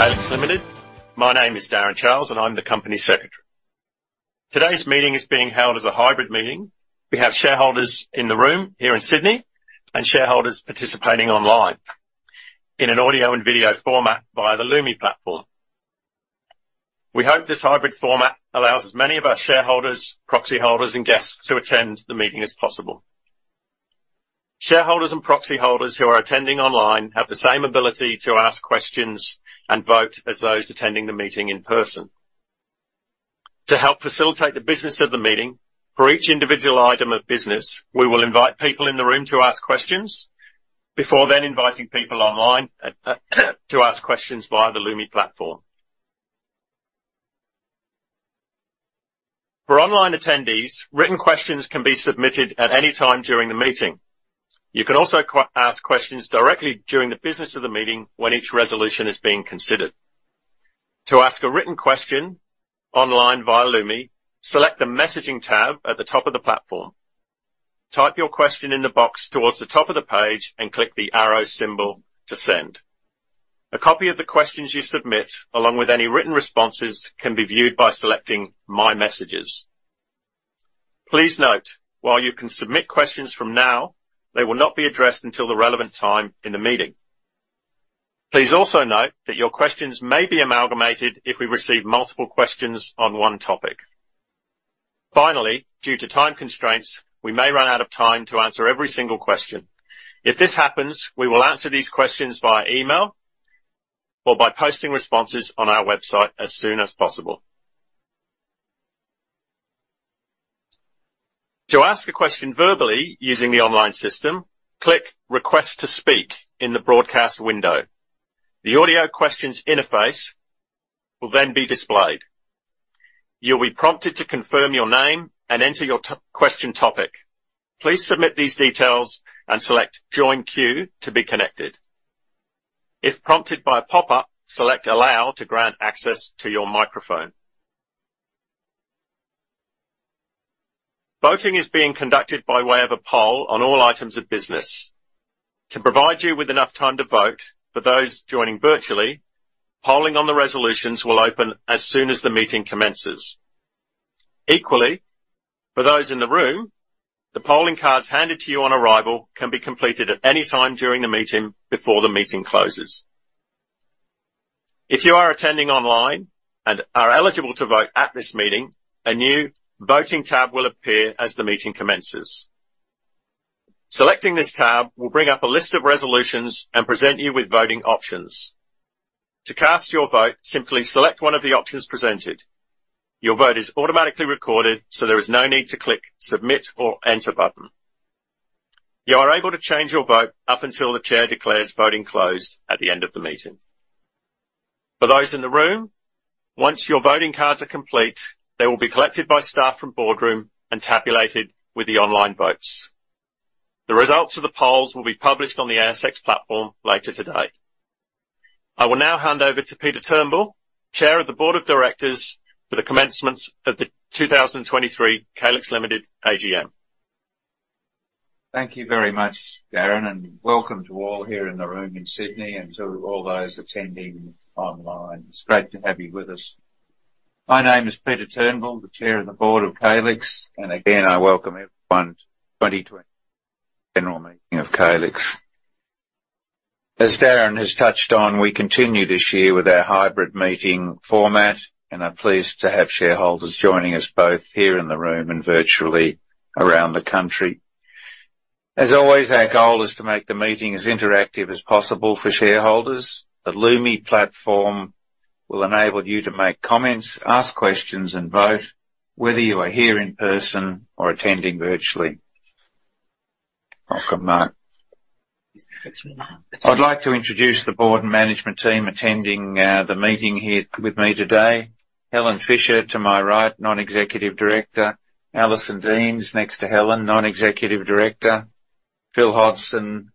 Calix Limited. My name is Darren Charles, and I'm the Company Secretary. Today's meeting is being held as a hybrid meeting. We have shareholders in the room here in Sydney, and shareholders participating online in an audio and video format via the Lumi platform. We hope this hybrid format allows as many of our shareholders, proxy holders, and guests to attend the meeting as possible. Shareholders and proxy holders who are attending online have the same ability to ask questions and vote as those attending the meeting in person. To help facilitate the business of the meeting, for each individual item of business, we will invite people in the room to ask questions, before then inviting people online, to ask questions via the Lumi platform. For online attendees, written questions can be submitted at any time during the meeting. You can also ask questions directly during the business of the meeting when each resolution is being considered. To ask a written question online via Lumi, select the Messaging tab at the top of the platform. Type your question in the box towards the top of the page and click the arrow symbol to send. A copy of the questions you submit, along with any written responses, can be viewed by selecting My Messages. Please note, while you can submit questions from now, they will not be addressed until the relevant time in the meeting. Please also note that your questions may be amalgamated if we receive multiple questions on one topic. Finally, due to time constraints, we may run out of time to answer every single question. If this happens, we will answer these questions via email or by posting responses on our website as soon as possible. To ask a question verbally using the online system, click Request to Speak in the broadcast window. The audio questions interface will then be displayed. You'll be prompted to confirm your name and enter your question topic. Please submit these details and select Join Queue to be connected. If prompted by a pop-up, select Allow to grant access to your microphone. Voting is being conducted by way of a poll on all items of business. To provide you with enough time to vote, for those joining virtually, polling on the resolutions will open as soon as the meeting commences. Equally, for those in the room, the polling cards handed to you on arrival can be completed at any time during the meeting before the meeting closes. If you are attending online and are eligible to vote at this meeting, a new voting tab will appear as the meeting commences. Selecting this tab will bring up a list of resolutions and present you with voting options. To cast your vote, simply select one of the options presented. Your vote is automatically recorded, so there is no need to click Submit or Enter button. You are able to change your vote up until the Chair declares voting closed at the end of the meeting. For those in the room, once your voting cards are complete, they will be collected by staff from Boardroom and tabulated with the online votes. The results of the polls will be published on the ASX platform later today. I will now hand over to Peter Turnbull, Chair of the board of directors, for the commencement of the 2023 Calix Limited AGM. Thank you very much, Darren, and welcome to all here in the room in Sydney, and to all those attending online. It's great to have you with us. My name is Peter Turnbull, the Chair of the Board of Calix, and again, I welcome everyone to 2020 annual meeting of Calix. As Darren has touched on, we continue this year with our hybrid meeting format, and are pleased to have shareholders joining us both here in the room and virtually around the country. As always, our goal is to make the meeting as interactive as possible for shareholders. The Lumi platform will enable you to make comments, ask questions, and vote, whether you are here in person or attending virtually. Welcome, Mark. I'd like to introduce the board and management team attending the meeting here with me today. Helen Fisher, to my right, Non-executive Director. Alison Deans, next to Helen, non-executive director. Phil Hodgson,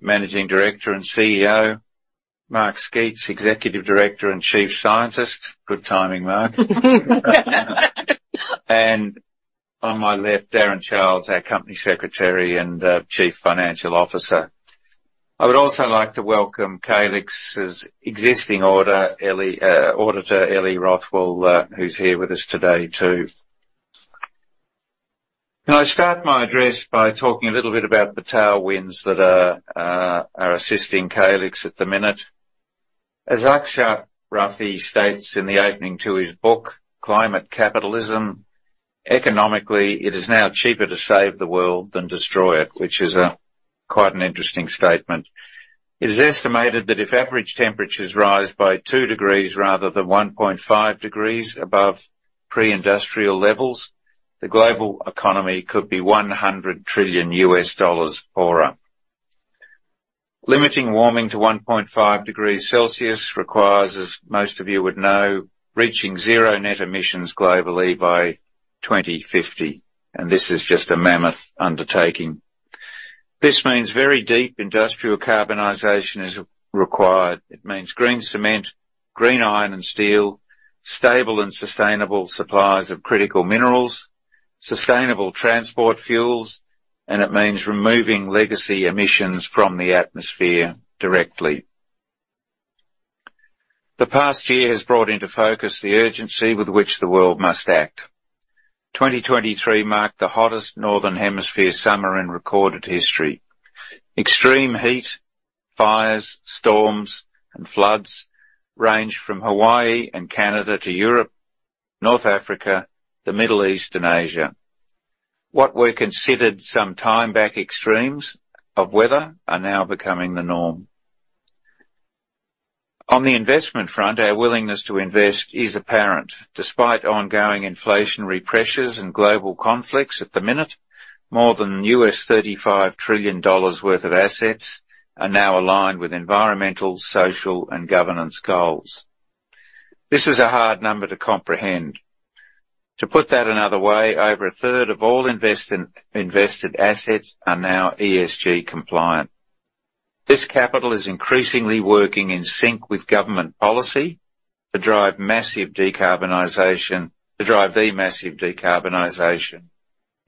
Managing Director and CEO. Mark Sceats, Executive Director and Chief Scientist. Good timing, Mark. On my left, Darren Charles, our Company Secretary and Chief Financial Officer. I would also like to welcome Calix's external auditor, Ellie Rothwell, who's here with us today, too. Can I start my address by talking a little bit about the tailwinds that are assisting Calix at the minute? As Akshat Rathi states in the opening to his book, Climate Capitalism, "Economically, it is now cheaper to save the world than destroy it," which is quite an interesting statement. It is estimated that if average temperatures rise by two degrees rather than 1.5 degrees above pre-industrial levels, the global economy could be $100 trillion poorer. Limiting warming to 1.5 degrees Celsius requires, as most of you would know, reaching zero net emissions globally by 2050, and this is just a mammoth undertaking. This means very deep industrial decarbonization is required. It means green cement, green iron and steel, stable and sustainable supplies of critical minerals.... sustainable transport fuels, and it means removing legacy emissions from the atmosphere directly. The past year has brought into focus the urgency with which the world must act. 2023 marked the hottest Northern Hemisphere summer in recorded history. Extreme heat, fires, storms, and floods ranged from Hawaii and Canada to Europe, North Africa, the Middle East and Asia. What were considered some time back extremes of weather are now becoming the norm. On the investment front, our willingness to invest is apparent. Despite ongoing inflationary pressures and global conflicts at the minute, more than $35 trillion worth of assets are now aligned with environmental, social, and governance goals. This is a hard number to comprehend. To put that another way, over a third of all invested assets are now ESG compliant. This capital is increasingly working in sync with government policy to drive the massive decarbonization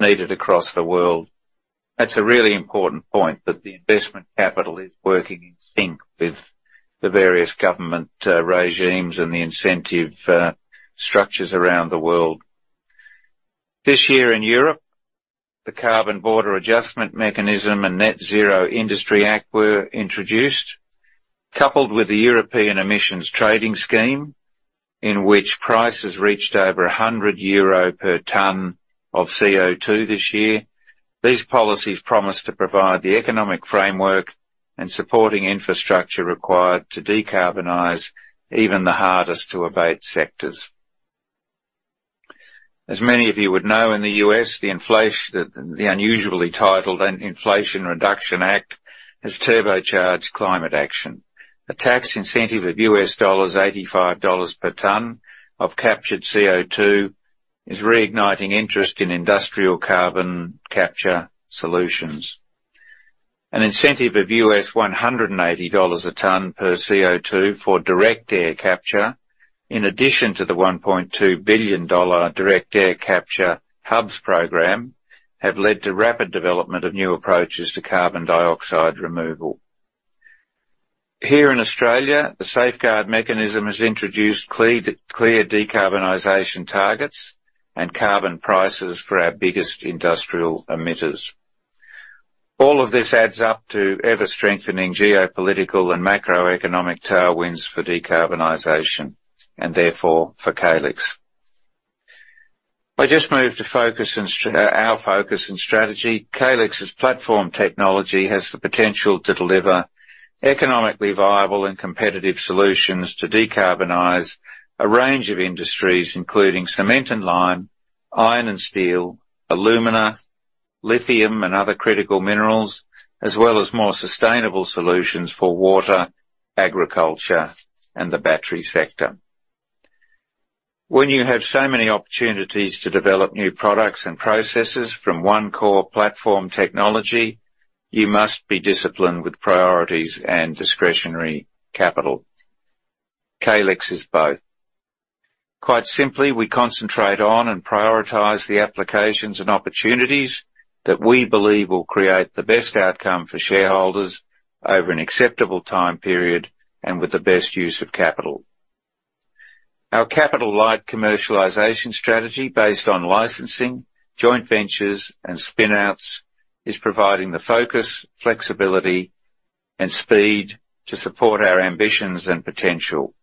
needed across the world. That's a really important point, that the investment capital is working in sync with the various government regimes and the incentive structures around the world. This year in Europe, the Carbon Border Adjustment Mechanism and Net Zero Industry Act were introduced, coupled with the European Emissions Trading Scheme, in which prices reached over 100 euro per ton of CO2 this year. These policies promise to provide the economic framework and supporting infrastructure required to decarbonize even the hardest to abate sectors. As many of you would know, in the US, the unusually titled Inflation Reduction Act has turbocharged climate action. A tax incentive of $85 per ton of captured CO2 is reigniting interest in industrial carbon capture solutions. An incentive of $180 a ton per CO2 for direct air capture, in addition to the $1.2 billion direct air capture hubs program, have led to rapid development of new approaches to carbon dioxide removal. Here in Australia, the Safeguard Mechanism has introduced clear decarbonization targets and carbon prices for our biggest industrial emitters. All of this adds up to ever-strengthening geopolitical and macroeconomic tailwinds for decarbonization, and therefore for Calix. I just move to focus and our focus and strategy. Calix's platform technology has the potential to deliver economically viable and competitive solutions to decarbonize a range of industries, including cement and lime, iron and steel, alumina, lithium, and other critical minerals, as well as more sustainable solutions for water, agriculture, and the battery sector. When you have so many opportunities to develop new products and processes from one core platform technology, you must be disciplined with priorities and discretionary capital. Calix is both. Quite simply, we concentrate on and prioritize the applications and opportunities that we believe will create the best outcome for shareholders over an acceptable time period and with the best use of capital. Our capital-light commercialization strategy, based on licensing, joint ventures, and spin-outs, is providing the focus, flexibility, and speed to support our ambitions and potential.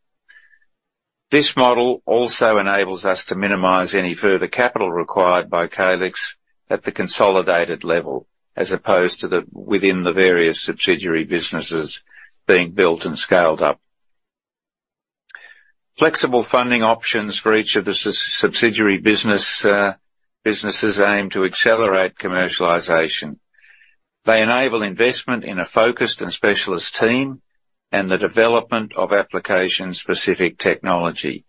This model also enables us to minimize any further capital required by Calix at the consolidated level, as opposed to within the various subsidiary businesses being built and scaled up. Flexible funding options for each of the subsidiary businesses aim to accelerate commercialization. They enable investment in a focused and specialist team and the development of application-specific technology.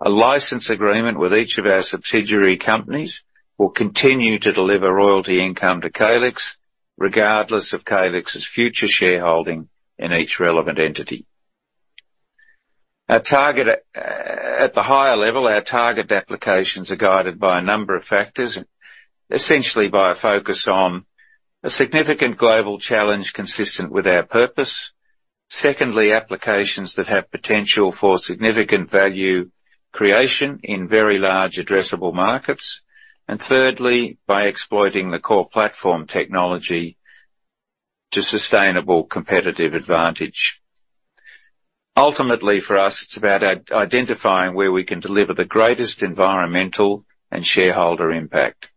A license agreement with each of our subsidiary companies will continue to deliver royalty income to Calix, regardless of Calix's future shareholding in each relevant entity. Our target at the higher level, our target applications are guided by a number of factors, essentially by a focus on a significant global challenge consistent with our purpose. Secondly, applications that have potential for significant value creation in very large addressable markets. And thirdly, by exploiting the core platform technology to sustainable competitive advantage. Ultimately, for us, it's about identifying where we can deliver the greatest environmental and shareholder impact.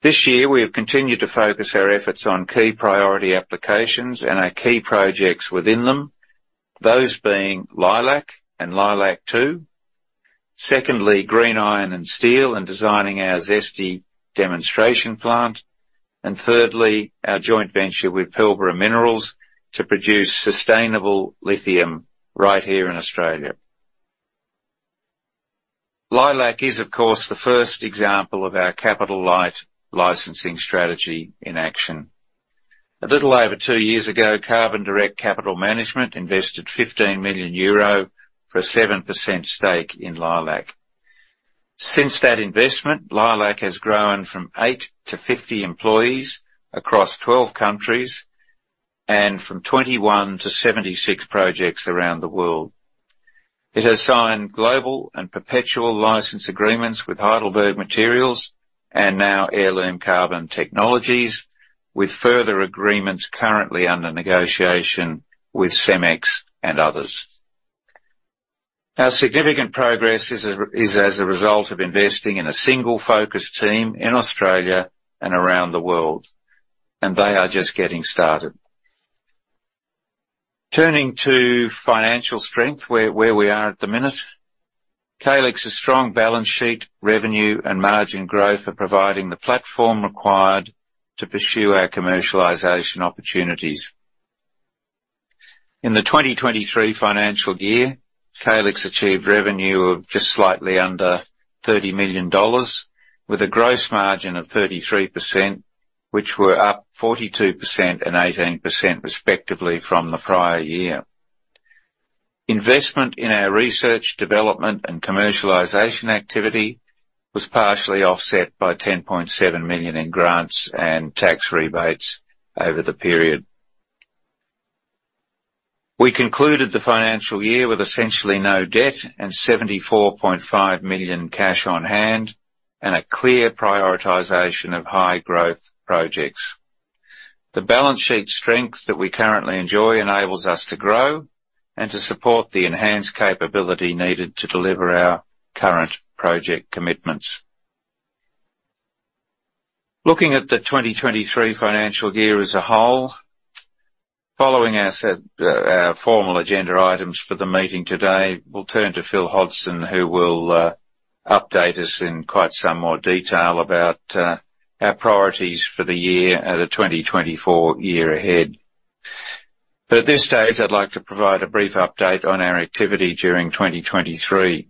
This year, we have continued to focus our efforts on key priority applications and our key projects within them, those being Leilac and Leilac-2. Secondly, green iron and steel, and designing our ZESTY demonstration plant. And thirdly, our joint venture with Pilbara Minerals to produce sustainable lithium right here in Australia. Leilac is, of course, the first example of our capital light licensing strategy in action... A little over two years ago, Carbon Direct Capital Management invested 15 million euro for a 7% stake in Leilac. Since that investment, Leilac has grown from 8 employees-50 employees across 12 countries, and from 21-76 projects around the world. It has signed global and perpetual license agreements with Heidelberg Materials and now Heirloom Carbon Technologies, with further agreements currently under negotiation with CEMEX and others. Our significant progress is as a result of investing in a single focus team in Australia and around the world, and they are just getting started. Turning to financial strength, where we are at the minute. Calix's strong balance sheet, revenue, and margin growth are providing the platform required to pursue our commercialization opportunities. In the 2023 financial year, Calix achieved revenue of just slightly under 30 million dollars, with a gross margin of 33%, which were up 42% and 18% respectively from the prior year. Investment in our research, development, and commercialization activity was partially offset by 10.7 million in grants and tax rebates over the period. We concluded the financial year with essentially no debt and 74.5 million cash on hand, and a clear prioritization of high growth projects. The balance sheet strength that we currently enjoy enables us to grow and to support the enhanced capability needed to deliver our current project commitments. Looking at the 2023 financial year as a whole, following our set, our formal agenda items for the meeting today, we'll turn to Phil Hodgson, who will update us in quite some more detail about our priorities for the year and the 2024 year ahead. But at this stage, I'd like to provide a brief update on our activity during 2023.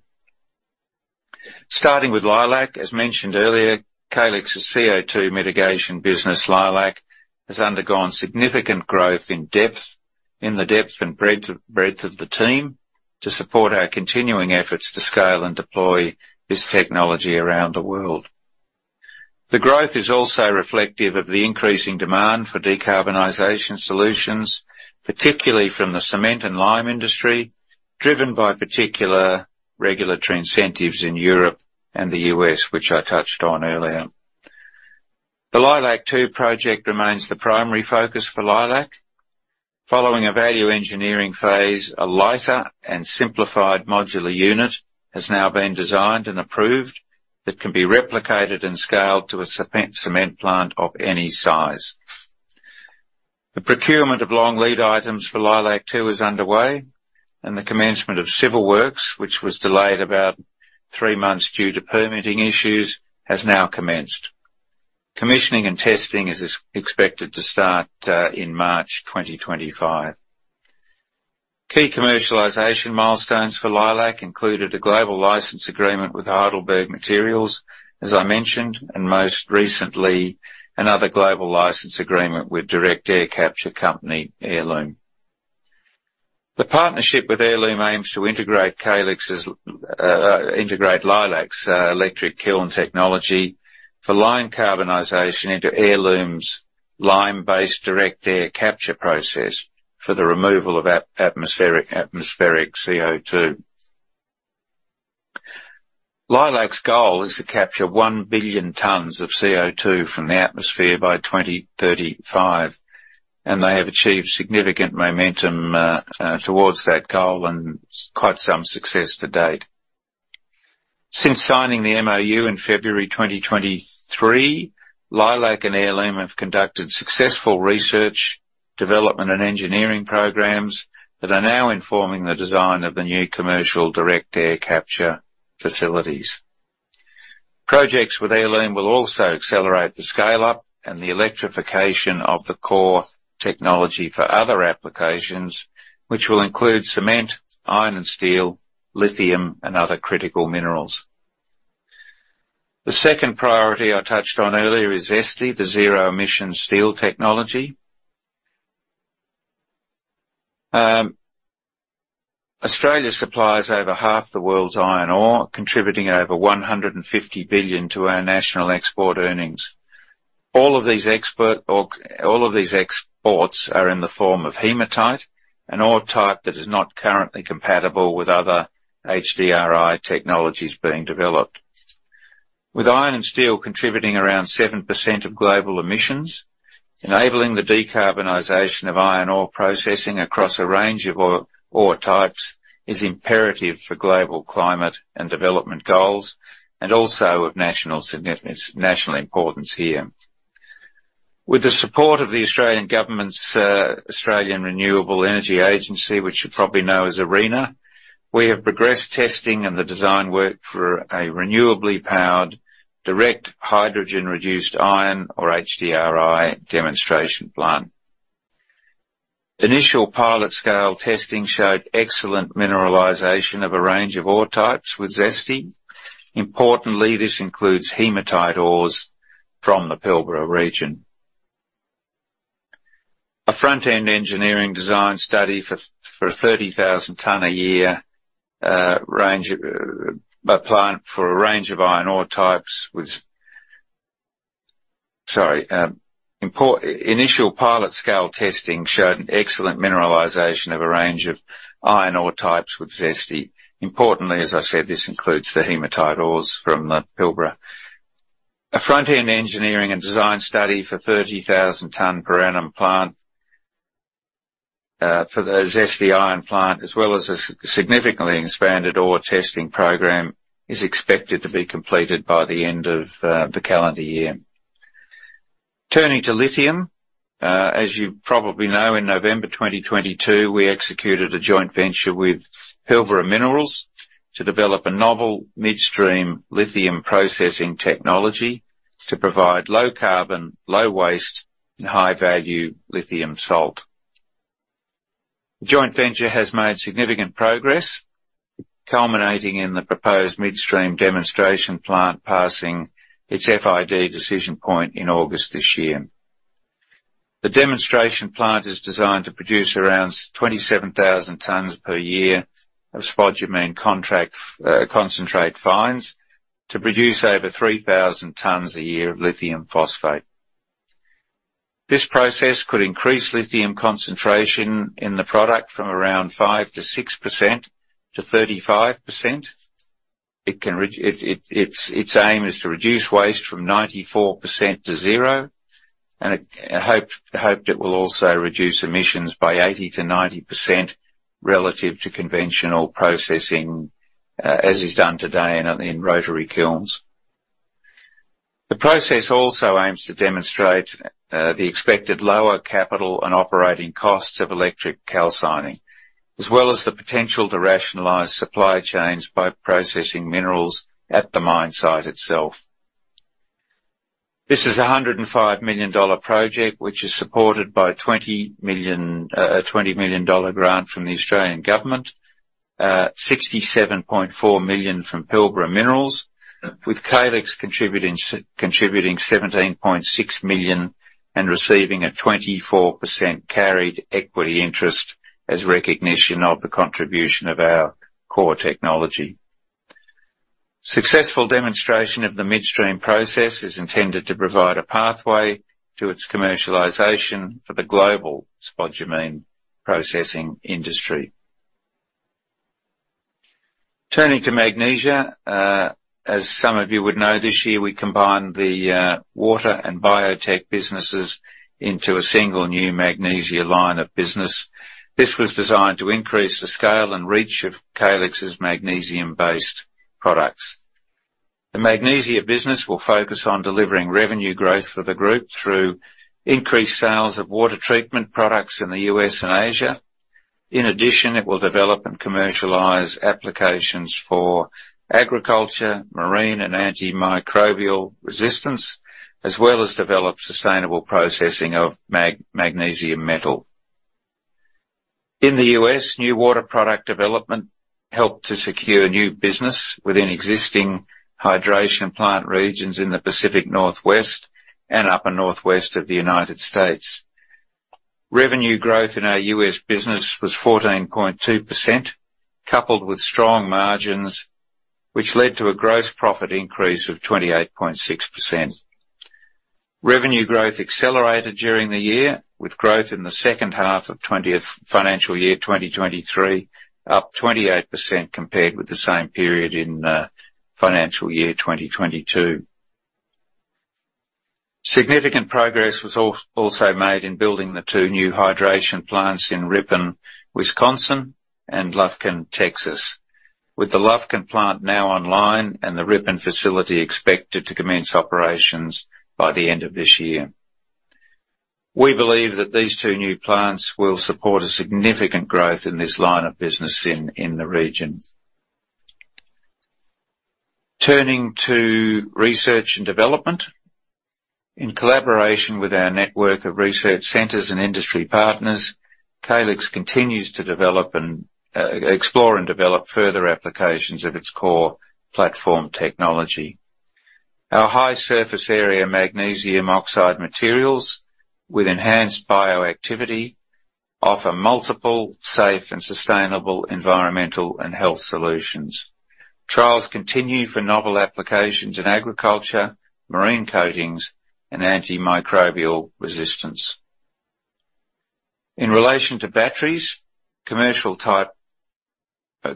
Starting with Leilac, as mentioned earlier, Calix's CO2 mitigation business, Leilac, has undergone significant growth in depth, in the depth and breadth of the team, to support our continuing efforts to scale and deploy this technology around the world. The growth is also reflective of the increasing demand for decarbonization solutions, particularly from the cement and lime industry, driven by particular regulatory incentives in Europe and the U.S., which I touched on earlier. The Leilac-2 project remains the primary focus for Leilac. Following a value engineering phase, a lighter and simplified modular unit has now been designed and approved that can be replicated and scaled to a cement plant of any size. The procurement of long-lead items for Leilac-2 is underway, and the commencement of civil works, which was delayed about three months due to permitting issues, has now commenced. Commissioning and testing is expected to start in March 2025. Key commercialization milestones for Leilac included a global license agreement with Heidelberg Materials, as I mentioned, and most recently, another global license agreement with direct air capture company Heirloom. The partnership with Heirloom aims to integrate Leilac's electric kiln technology for lime calcination into Heirloom's lime-based direct air capture process for the removal of atmospheric CO2. Leilac's goal is to capture 1 billion tons of CO2 from the atmosphere by 2035, and they have achieved significant momentum towards that goal and quite some success to date. Since signing the MoU in February 2023, Leilac and Heirloom have conducted successful research, development, and engineering programs that are now informing the design of the new commercial direct air capture facilities. Projects with Heirloom will also accelerate the scale-up and the electrification of the core technology for other applications, which will include cement, iron and steel, lithium, and other critical minerals. The second priority I touched on earlier is ZESTY, the Zero Emission Steel Technology. Australia supplies over half the world's iron ore, contributing over 150 billion to our national export earnings. All of these exports are in the form of hematite, an ore type that is not currently compatible with other HDRI technologies being developed. With iron and steel contributing around 7% of global emissions, enabling the decarbonization of iron ore processing across a range of ore types is imperative for global climate and development goals, and also of national significance, national importance here. With the support of the Australian government's Australian Renewable Energy Agency, which you probably know as ARENA, we have progressed testing and the design work for a renewably powered direct hydrogen-reduced iron, or H-DRI, demonstration plant. Initial pilot scale testing showed excellent metallization of a range of ore types with ZESTY. Importantly, this includes hematite ores from the Pilbara region. A front-end engineering design study for a 30,000 ton a year range by plant for a range of iron ore types was. Initial pilot scale testing showed an excellent metallization of a range of iron ore types with ZESTY. Importantly, as I said, this includes the hematite ores from the Pilbara. A front-end engineering and design study for 30,000 ton per annum plant, for the ZESTY iron plant, as well as a significantly expanded ore testing program, is expected to be completed by the end of the calendar year. Turning to lithium, as you probably know, in November 2022, we executed a joint venture with Pilbara Minerals to develop a novel midstream lithium processing technology to provide low carbon, low waste, and high value lithium salt. The joint venture has made significant progress, culminating in the proposed midstream demonstration plant passing its FID decision point in August this year. The demonstration plant is designed to produce around 27,000 tons per year of spodumene contract, concentrate fines to produce over 3,000 tons a year of lithium phosphate. This process could increase lithium concentration in the product from around 5-6% to 35%. Its aim is to reduce waste from 94% to 0%, and it hoped it will also reduce emissions by 80%-90% relative to conventional processing, as is done today in rotary kilns. The process also aims to demonstrate the expected lower capital and operating costs of electric calcining, as well as the potential to rationalize supply chains by processing minerals at the mine site itself. This is a 105 million dollar project, which is supported by 20 million grant from the Australian government, 67.4 million from Pilbara Minerals, with Calix contributing 17.6 million and receiving a 24% carried equity interest as recognition of the contribution of our core technology. Successful demonstration of the midstream process is intended to provide a pathway to its commercialization for the global spodumene processing industry. Turning to magnesia, as some of you would know, this year we combined the water and biotech businesses into a single new magnesia line of business. This was designed to increase the scale and reach of Calix's magnesium-based products. The magnesia business will focus on delivering revenue growth for the group through increased sales of water treatment products in the US and Asia. In addition, it will develop and commercialize applications for agriculture, marine, and antimicrobial resistance, as well as develop sustainable processing of magnesium metal. In the U.S., new water product development helped to secure new business within existing hydration plant regions in the Pacific Northwest and upper northwest of the United States. Revenue growth in our U.S. business was 14.2%, coupled with strong margins, which led to a gross profit increase of 28.6%. Revenue growth accelerated during the year, with growth in the second half of financial year 2023, up 28% compared with the same period in financial year 2022. Significant progress was also made in building the two new hydration plants in Ripon, Wisconsin, and Lufkin, Texas, with the Lufkin plant now online and the Ripon facility expected to commence operations by the end of this year. We believe that these two new plants will support a significant growth in this line of business in the region. Turning to research and development. In collaboration with our network of research centers and industry partners, Calix continues to develop and explore and develop further applications of its core platform technology. Our high surface area magnesium oxide materials with enhanced bioactivity offer multiple, safe, and sustainable environmental and health solutions. Trials continue for novel applications in agriculture, marine coatings, and antimicrobial resistance. In relation to batteries, commercial type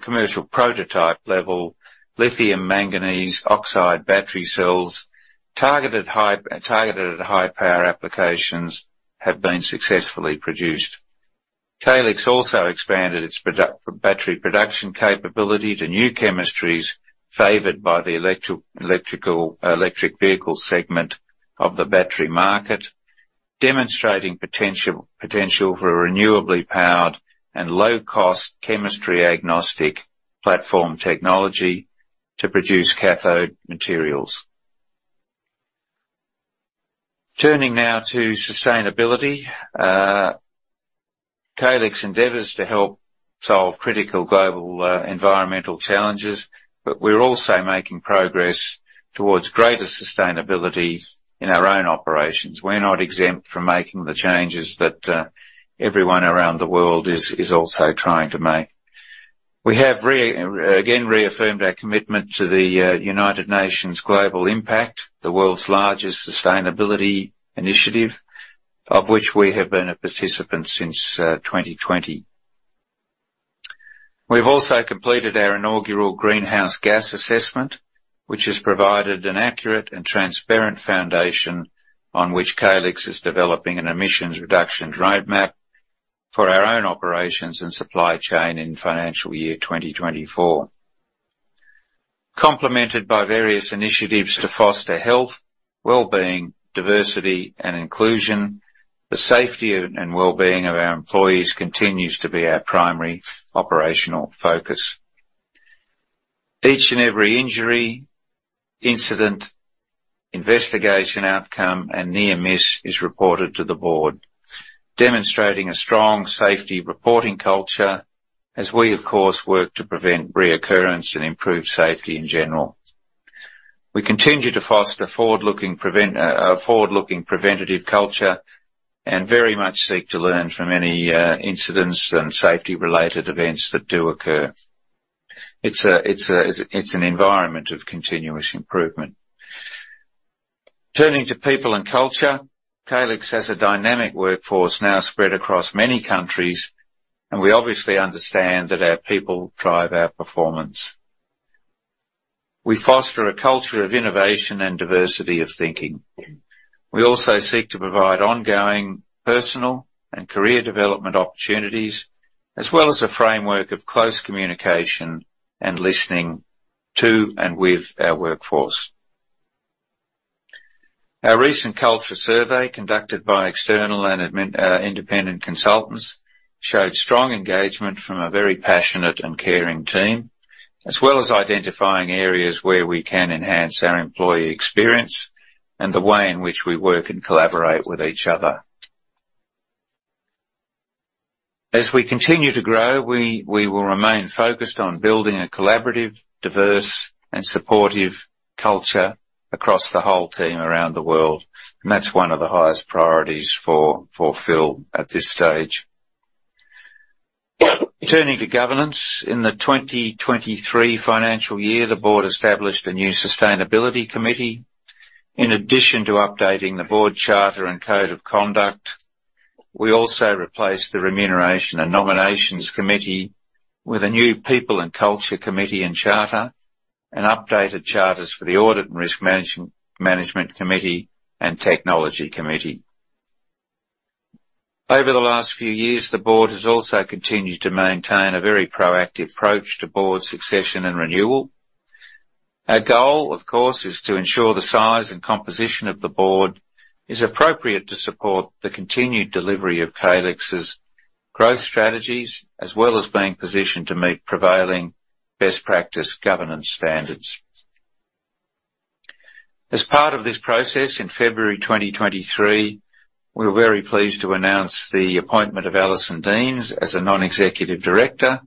commercial prototype level lithium manganese oxide battery cells targeted high power applications have been successfully produced. Calix also expanded its product battery production capability to new chemistries favored by the electric vehicle segment of the battery market, demonstrating potential for a renewably powered and low-cost, chemistry-agnostic platform technology to produce cathode materials. Turning now to sustainability. Calix endeavors to help solve critical global environmental challenges, but we're also making progress towards greater sustainability in our own operations. We're not exempt from making the changes that everyone around the world is also trying to make. We have again reaffirmed our commitment to the United Nations Global Compact, the world's largest sustainability initiative, of which we have been a participant since 2020. We've also completed our inaugural greenhouse gas assessment, which has provided an accurate and transparent foundation on which Calix is developing an emissions reduction roadmap for our own operations and supply chain in financial year 2024. Complemented by various initiatives to foster health, wellbeing, diversity, and inclusion, the safety and wellbeing of our employees continues to be our primary operational focus. Each and every injury, incident, investigation outcome, and near miss is reported to the board, demonstrating a strong safety reporting culture, as we, of course, work to prevent reoccurrence and improve safety in general. We continue to foster a forward-looking preventative culture, and very much seek to learn from any incidents and safety-related events that do occur. It's an environment of continuous improvement. Turning to people and culture, Calix has a dynamic workforce now spread across many countries, and we obviously understand that our people drive our performance. We foster a culture of innovation and diversity of thinking. We also seek to provide ongoing personal and career development opportunities, as well as a framework of close communication and listening to and with our workforce. Our recent culture survey, conducted by external and admin independent consultants, showed strong engagement from a very passionate and caring team, as well as identifying areas where we can enhance our employee experience and the way in which we work and collaborate with each other. As we continue to grow, we will remain focused on building a collaborative, diverse, and supportive culture across the whole team around the world, and that's one of the highest priorities for Phil at this stage. Turning to governance, in the 2023 financial year, the board established a new sustainability committee. In addition to updating the board charter and code of conduct, we also replaced the Remuneration and Nominations Committee with a new People and Culture Committee and charter, and updated charters for the Audit and Risk Management Committee and Technology Committee. Over the last few years, the board has also continued to maintain a very proactive approach to board succession and renewal. Our goal, of course, is to ensure the size and composition of the board is appropriate to support the continued delivery of Calix's growth strategies, as well as being positioned to meet prevailing best practice governance standards. As part of this process, in February 2023, we were very pleased to announce the appointment of Alison Deans as a non-executive director,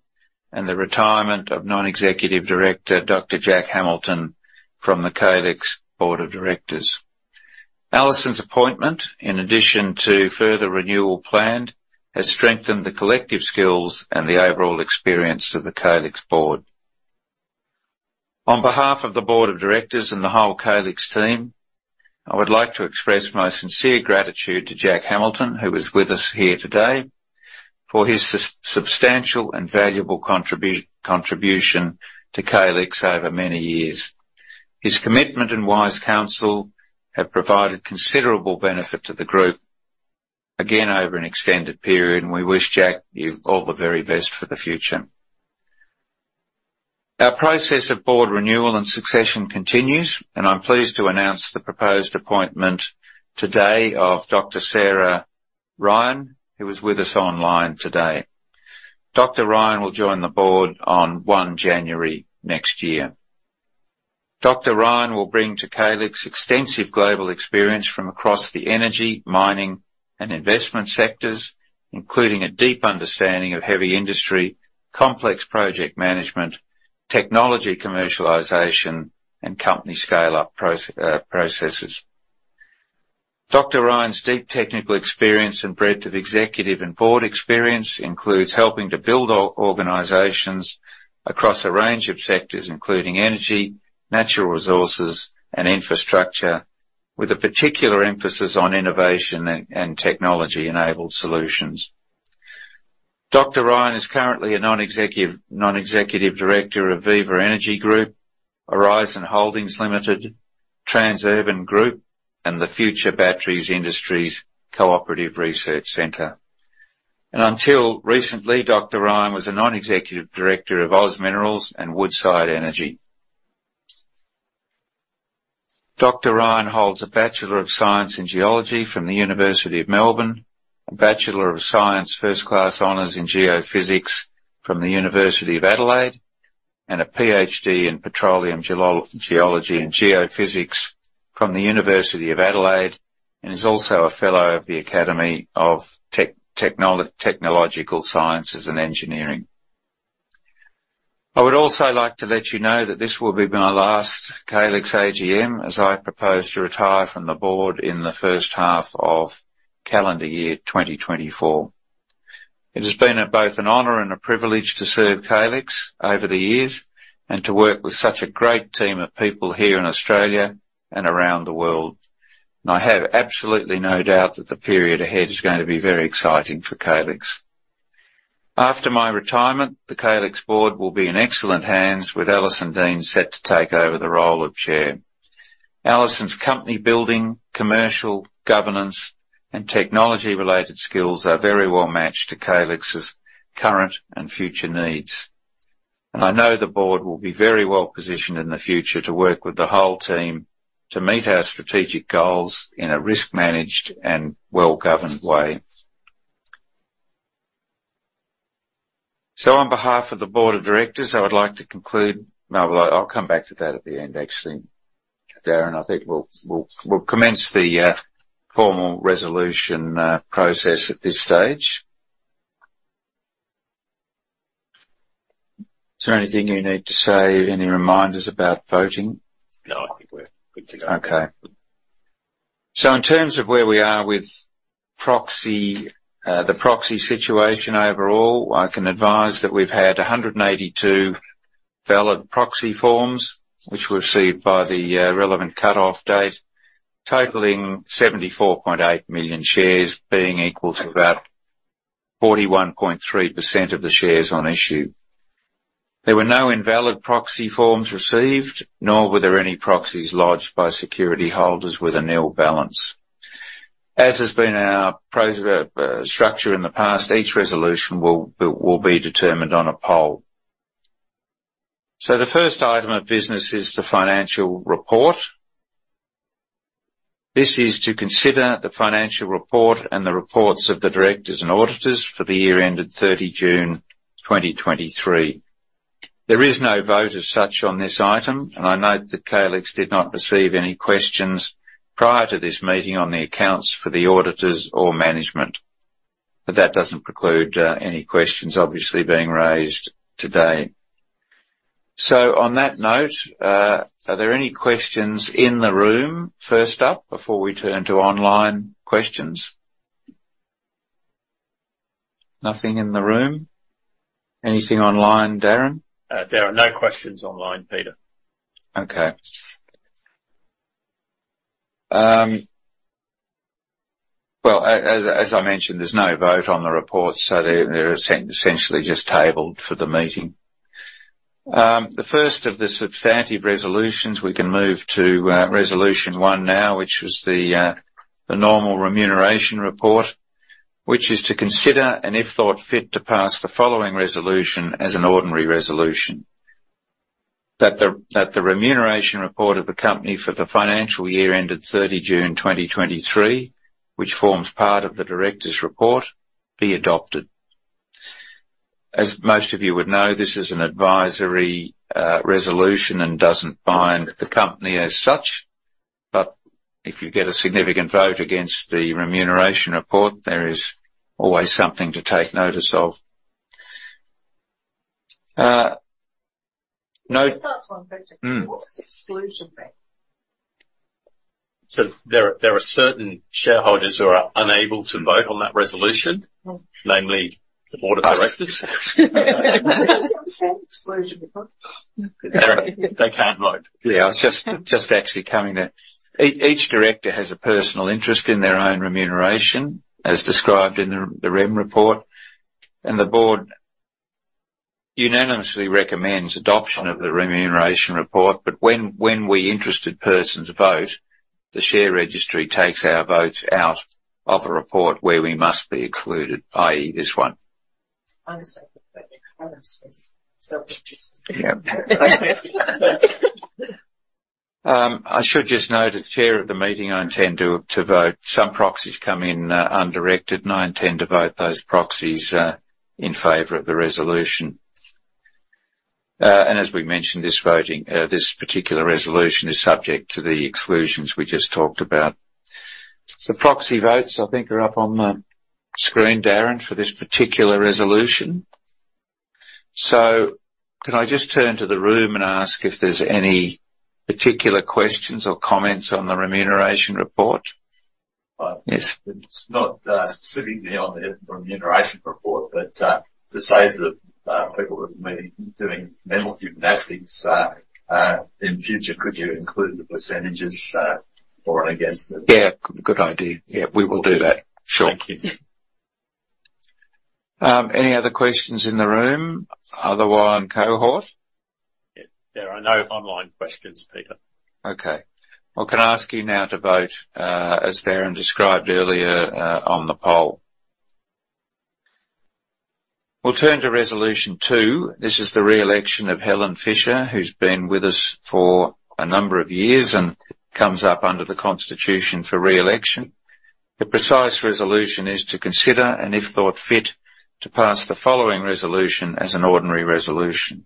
and the retirement of non-executive director, Dr. Jack Hamilton, from the Calix board of directors. Alison's appointment, in addition to further renewal planned, has strengthened the collective skills and the overall experience of the Calix board. On behalf of the board of directors and the whole Calix team, I would like to express my sincere gratitude to Jack Hamilton, who is with us here today, for his substantial and valuable contribution to Calix over many years. His commitment and wise counsel have provided considerable benefit to the group, again, over an extended period, and we wish Jack you all the very best for the future. Our process of board renewal and succession continues, and I'm pleased to announce the proposed appointment today of Dr. Sarah Ryan, who is with us online today. Dr. Ryan will join the board on 1 January next year. Dr. Ryan will bring to Calix extensive global experience from across the energy, mining, and investment sectors, including a deep understanding of heavy industry, complex project management, technology commercialization, and company scale-up processes. Dr. Ryan's deep technical experience and breadth of executive and board experience includes helping to build organizations across a range of sectors, including energy, natural resources, and infrastructure, with a particular emphasis on innovation and technology-enabled solutions. Dr. Ryan is currently a non-executive director of Viva Energy Group, Aurizon Holdings Limited, Transurban Group, and the Future Battery Industries Cooperative Research Centre. Until recently, Dr. Ryan was a non-executive director of OZ Minerals and Woodside Energy. Dr. Ryan holds a Bachelor of Science in Geology from the University of Melbourne, a Bachelor of Science First Class Honors in Geophysics from the University of Adelaide, and a PhD in petroleum geology and geophysics from the University of Adelaide, and is also a fellow of the Academy of Technological Sciences and Engineering. I would also like to let you know that this will be my last Calix AGM, as I propose to retire from the board in the first half of calendar year 2024. It has been both an honor and a privilege to serve Calix over the years, and to work with such a great team of people here in Australia and around the world. I have absolutely no doubt that the period ahead is going to be very exciting for Calix. After my retirement, the Calix board will be in excellent hands, with Alison Deans set to take over the role of chair. Alison's company building, commercial, governance, and technology-related skills are very well matched to Calix's current and future needs. I know the board will be very well positioned in the future to work with the whole team to meet our strategic goals in a risk managed and well-governed way. So on behalf of the board of directors, I would like to conclude. No, well, I'll come back to that at the end, actually. Darren, I think we'll commence the formal resolution process at this stage. Is there anything you need to say? Any reminders about voting? No, I think we're good to go. Okay. So in terms of where we are with proxy, the proxy situation overall, I can advise that we've had 182 valid proxy forms, which were received by the relevant cutoff date, totaling 74.8 million shares, being equal to about 41.3% of the shares on issue. There were no invalid proxy forms received, nor were there any proxies lodged by security holders with a nil balance. As has been our proxy structure in the past, each resolution will be determined on a poll. So the first item of business is the financial report. This is to consider the financial report and the reports of the directors and auditors for the year ended 30 June 2023. There is no vote as such on this item, and I note that Calix did not receive any questions prior to this meeting on the accounts for the auditors or management. But that doesn't preclude any questions obviously being raised today. So on that note, are there any questions in the room first up, before we turn to online questions? Nothing in the room. Anything online, Darren? There are no questions online, Peter. Okay. Well, as I mentioned, there's no vote on the report, so they're essentially just tabled for the meeting. The first of the substantive resolutions, we can move to resolution one now, which was the normal remuneration report. Which is to consider, and if thought fit, to pass the following resolution as an ordinary resolution: That the remuneration report of the company for the financial year ended 30 June 2023, which forms part of the directors' report, be adopted. As most of you would know, this is an advisory resolution and doesn't bind the company as such. But if you get a significant vote against the remuneration report, there is always something to take notice of. No- Just ask one question. Mm. What is exclusion mean? So there are certain shareholders who are unable to vote on that resolution. Oh. Namely, the board of directors.... Exclusion. They can't vote. Yeah, I was just actually coming to... Each director has a personal interest in their own remuneration, as described in the REM report. The board unanimously recommends adoption of the remuneration report, but when we interested persons vote, the share registry takes our votes out of the report where we must be excluded, i.e., this one. Understandable. But the problem is this. Yeah. I should just note, as chair of the meeting, I intend to vote. Some proxies come in undirected, and I intend to vote those proxies in favor of the resolution. And as we mentioned, this voting this particular resolution is subject to the exclusions we just talked about. The proxy votes, I think, are up on the screen, Darren, for this particular resolution. So can I just turn to the room and ask if there's any particular questions or comments on the remuneration report? Yes. It's not sitting beyond the remuneration report, but to say to the people that may be doing mental gymnastics in future, could you include the percentages for and against the- Yeah, good idea. Yeah, we will do that. Sure. Thank you. Any other questions in the room? Other online cohort? Yeah. There are no online questions, Peter. Okay. Well, can I ask you now to vote, as Darren described earlier, on the poll? We'll turn to resolution two. This is the re-election of Helen Fisher, who's been with us for a number of years and comes up under the constitution for re-election. The precise resolution is to consider, and if thought fit, to pass the following resolution as an ordinary resolution.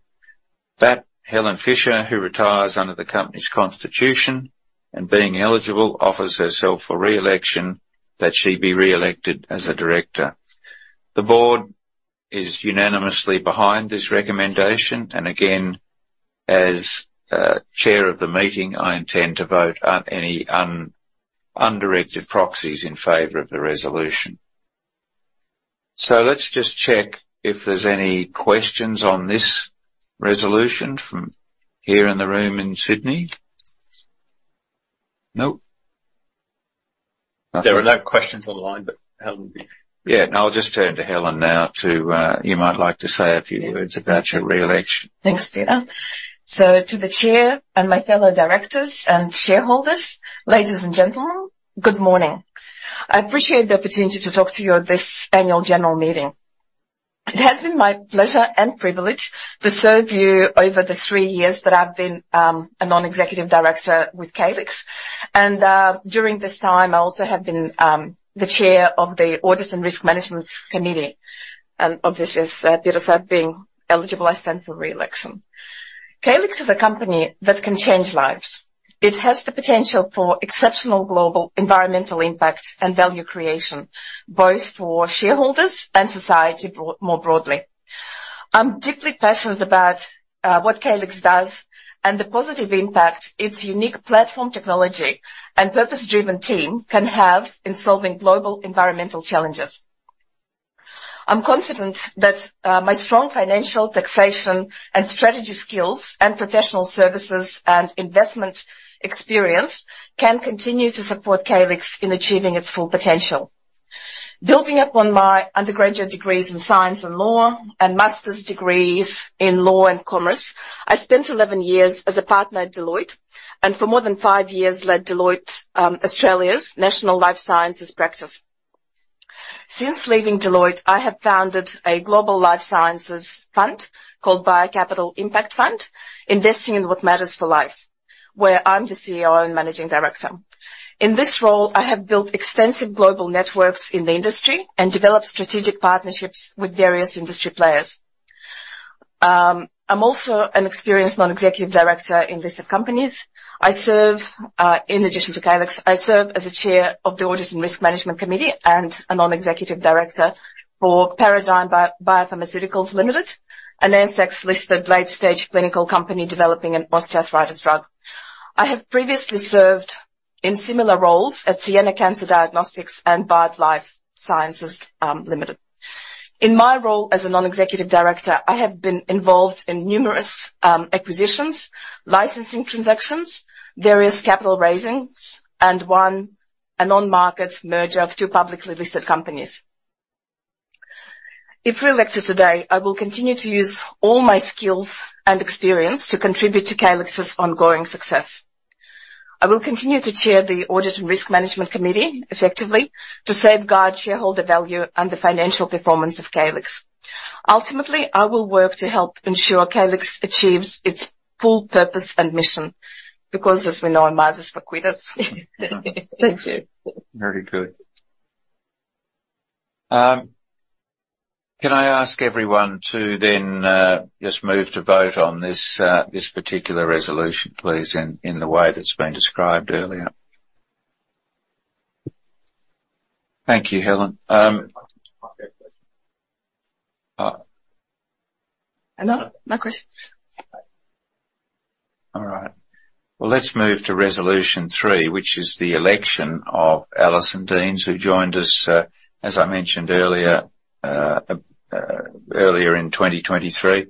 That Helen Fisher, who retires under the company's constitution, and being eligible, offers herself for re-election, that she be re-elected as a director. The board is unanimously behind this recommendation, and again, as chair of the meeting, I intend to vote on any undirected proxies in favor of the resolution. So let's just check if there's any questions on this resolution from here in the room in Sydney. Nope? There are no questions online, but Helen- Yeah, and I'll just turn to Helen now to... You might like to say a few words about your re-election. Thanks, Peter. So to the Chair and my fellow directors and shareholders, ladies and gentlemen, good morning. I appreciate the opportunity to talk to you at this annual general meeting. It has been my pleasure and privilege to serve you over the three years that I've been a non-executive director with Calix. And during this time, I also have been the chair of the Audit and Risk Management Committee. And obviously, as Peter said, being eligible, I stand for re-election. Calix is a company that can change lives. It has the potential for exceptional global environmental impact and value creation, both for shareholders and society more broadly. I'm deeply passionate about what Calix does and the positive impact, its unique platform technology and purpose-driven team can have in solving global environmental challenges. I'm confident that my strong financial, taxation, and strategy skills, and professional services and investment experience can continue to support Calix in achieving its full potential. Building upon my undergraduate degrees in science and law, and master's degrees in law and commerce, I spent 11 years as a partner at Deloitte, and for more than 5 years led Deloitte Australia's National Life Sciences practice. Since leaving Deloitte, I have founded a global life sciences fund called Bio Capital Impact Fund, investing in what matters for life, where I'm the CEO and managing director. In this role, I have built extensive global networks in the industry and developed strategic partnerships with various industry players. I'm also an experienced non-executive director in listed companies. I serve in addition to Calix, I serve as Chair of the Audit and Risk Management Committee and a non-executive director for Paradigm Biopharmaceuticals Limited, an ASX-listed late-stage clinical company developing an osteoarthritis drug. I have previously served in similar roles at Sienna Cancer Diagnostics and Bard Life Sciences Limited. In my role as a non-executive director, I have been involved in numerous acquisitions, licensing transactions, various capital raisings, and one, a non-market merger of two publicly listed companies. If re-elected today, I will continue to use all my skills and experience to contribute to Calix's ongoing success. I will continue to chair the Audit and Risk Management Committee effectively, to safeguard shareholder value and the financial performance of Calix. Ultimately, I will work to help ensure Calix achieves its full purpose and mission, because, as we know, Mars is for quitters. Thank you. Very good. Can I ask everyone to then just move to vote on this particular resolution, please, in the way that's been described earlier? Thank you, Helen. No. No questions. All right. Well, let's move to resolution 3, which is the election of Alison Deans, who joined us, as I mentioned earlier, earlier in 2023.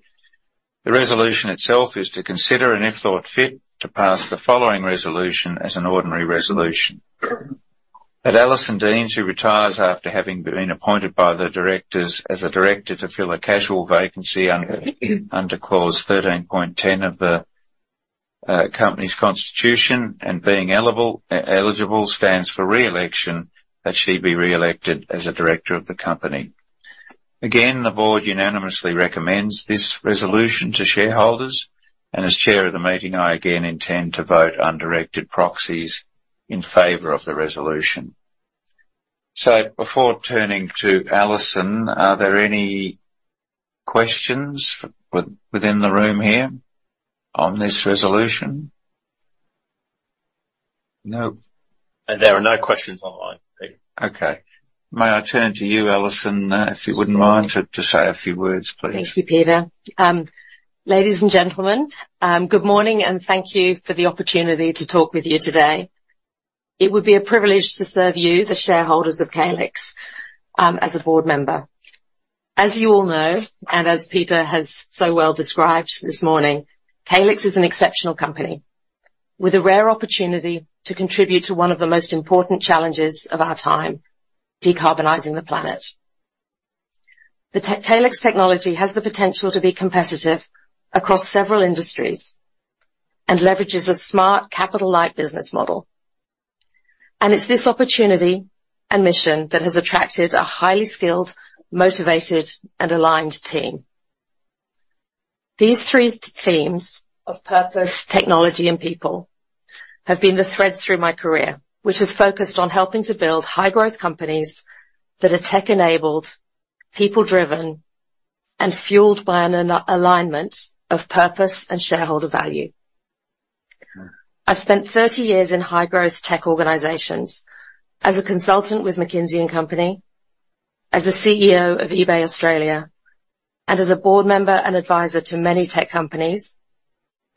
The resolution itself is to consider, and if thought fit, to pass the following resolution as an ordinary resolution. That Alison Deans, who retires after having been appointed by the directors as a director to fill a casual vacancy under Clause 13.10 of the company's constitution, and being eligible, stands for re-election, that she be re-elected as a director of the company. Again, the board unanimously recommends this resolution to shareholders, and as chair of the meeting, I again intend to vote undirected proxies in favor of the resolution. So before turning to Alison, are there any questions within the room here on this resolution? No. There are no questions online, Peter. Okay. May I turn to you, Alison, if you wouldn't mind, to say a few words, please? Thank you, Peter. Ladies and gentlemen, good morning, and thank you for the opportunity to talk with you today. It would be a privilege to serve you, the shareholders of Calix, as a board member. As you all know, and as Peter has so well described this morning, Calix is an exceptional company with a rare opportunity to contribute to one of the most important challenges of our time: decarbonizing the planet. The Calix technology has the potential to be competitive across several industries and leverages a smart capital-light business model. It's this opportunity and mission that has attracted a highly skilled, motivated, and aligned team.... These three themes of purpose, technology, and people have been the threads through my career, which has focused on helping to build high-growth companies that are tech-enabled, people-driven, and fueled by an alignment of purpose and shareholder value. I've spent 30 years in high-growth tech organizations as a consultant with McKinsey and Company, as a CEO of eBay Australia, and as a board member and advisor to many tech companies,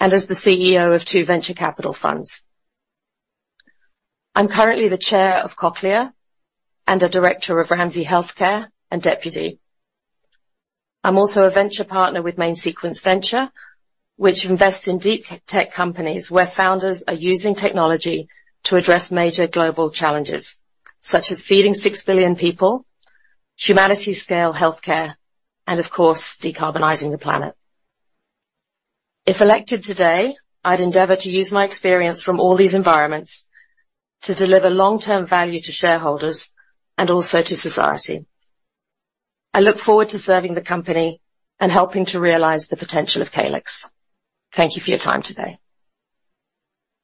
and as the CEO of two venture capital funds. I'm currently the Chair of Cochlear and a director of Ramsay Health Care, and deputy. I'm also a venture partner with Main Sequence Ventures, which invests in deep tech companies, where founders are using technology to address major global challenges, such as feeding 6 billion people, humanity-scale healthcare, and, of course, decarbonizing the planet. If elected today, I'd endeavor to use my experience from all these environments to deliver long-term value to shareholders and also to society. I look forward to serving the company and helping to realize the potential of Calix. Thank you for your time today.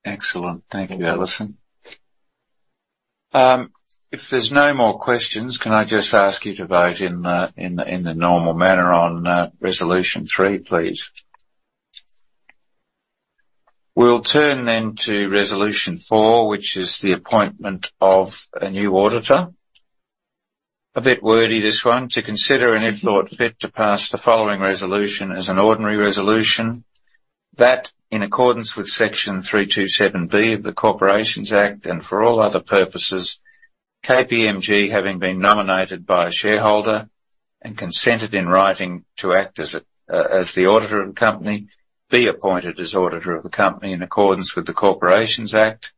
Excellent. Thank you, Alison. If there's no more questions, can I just ask you to vote in the normal manner on resolution three, please? We'll turn then to resolution four, which is the appointment of a new auditor. A bit wordy, this one: To consider and, if thought fit, to pass the following resolution as an ordinary resolution, that in accordance with Section 327B of the Corporations Act, and for all other purposes, KPMG having been nominated by a shareholder and consented in writing to act as the auditor of the company, be appointed as auditor of the company in accordance with the Corporations Act,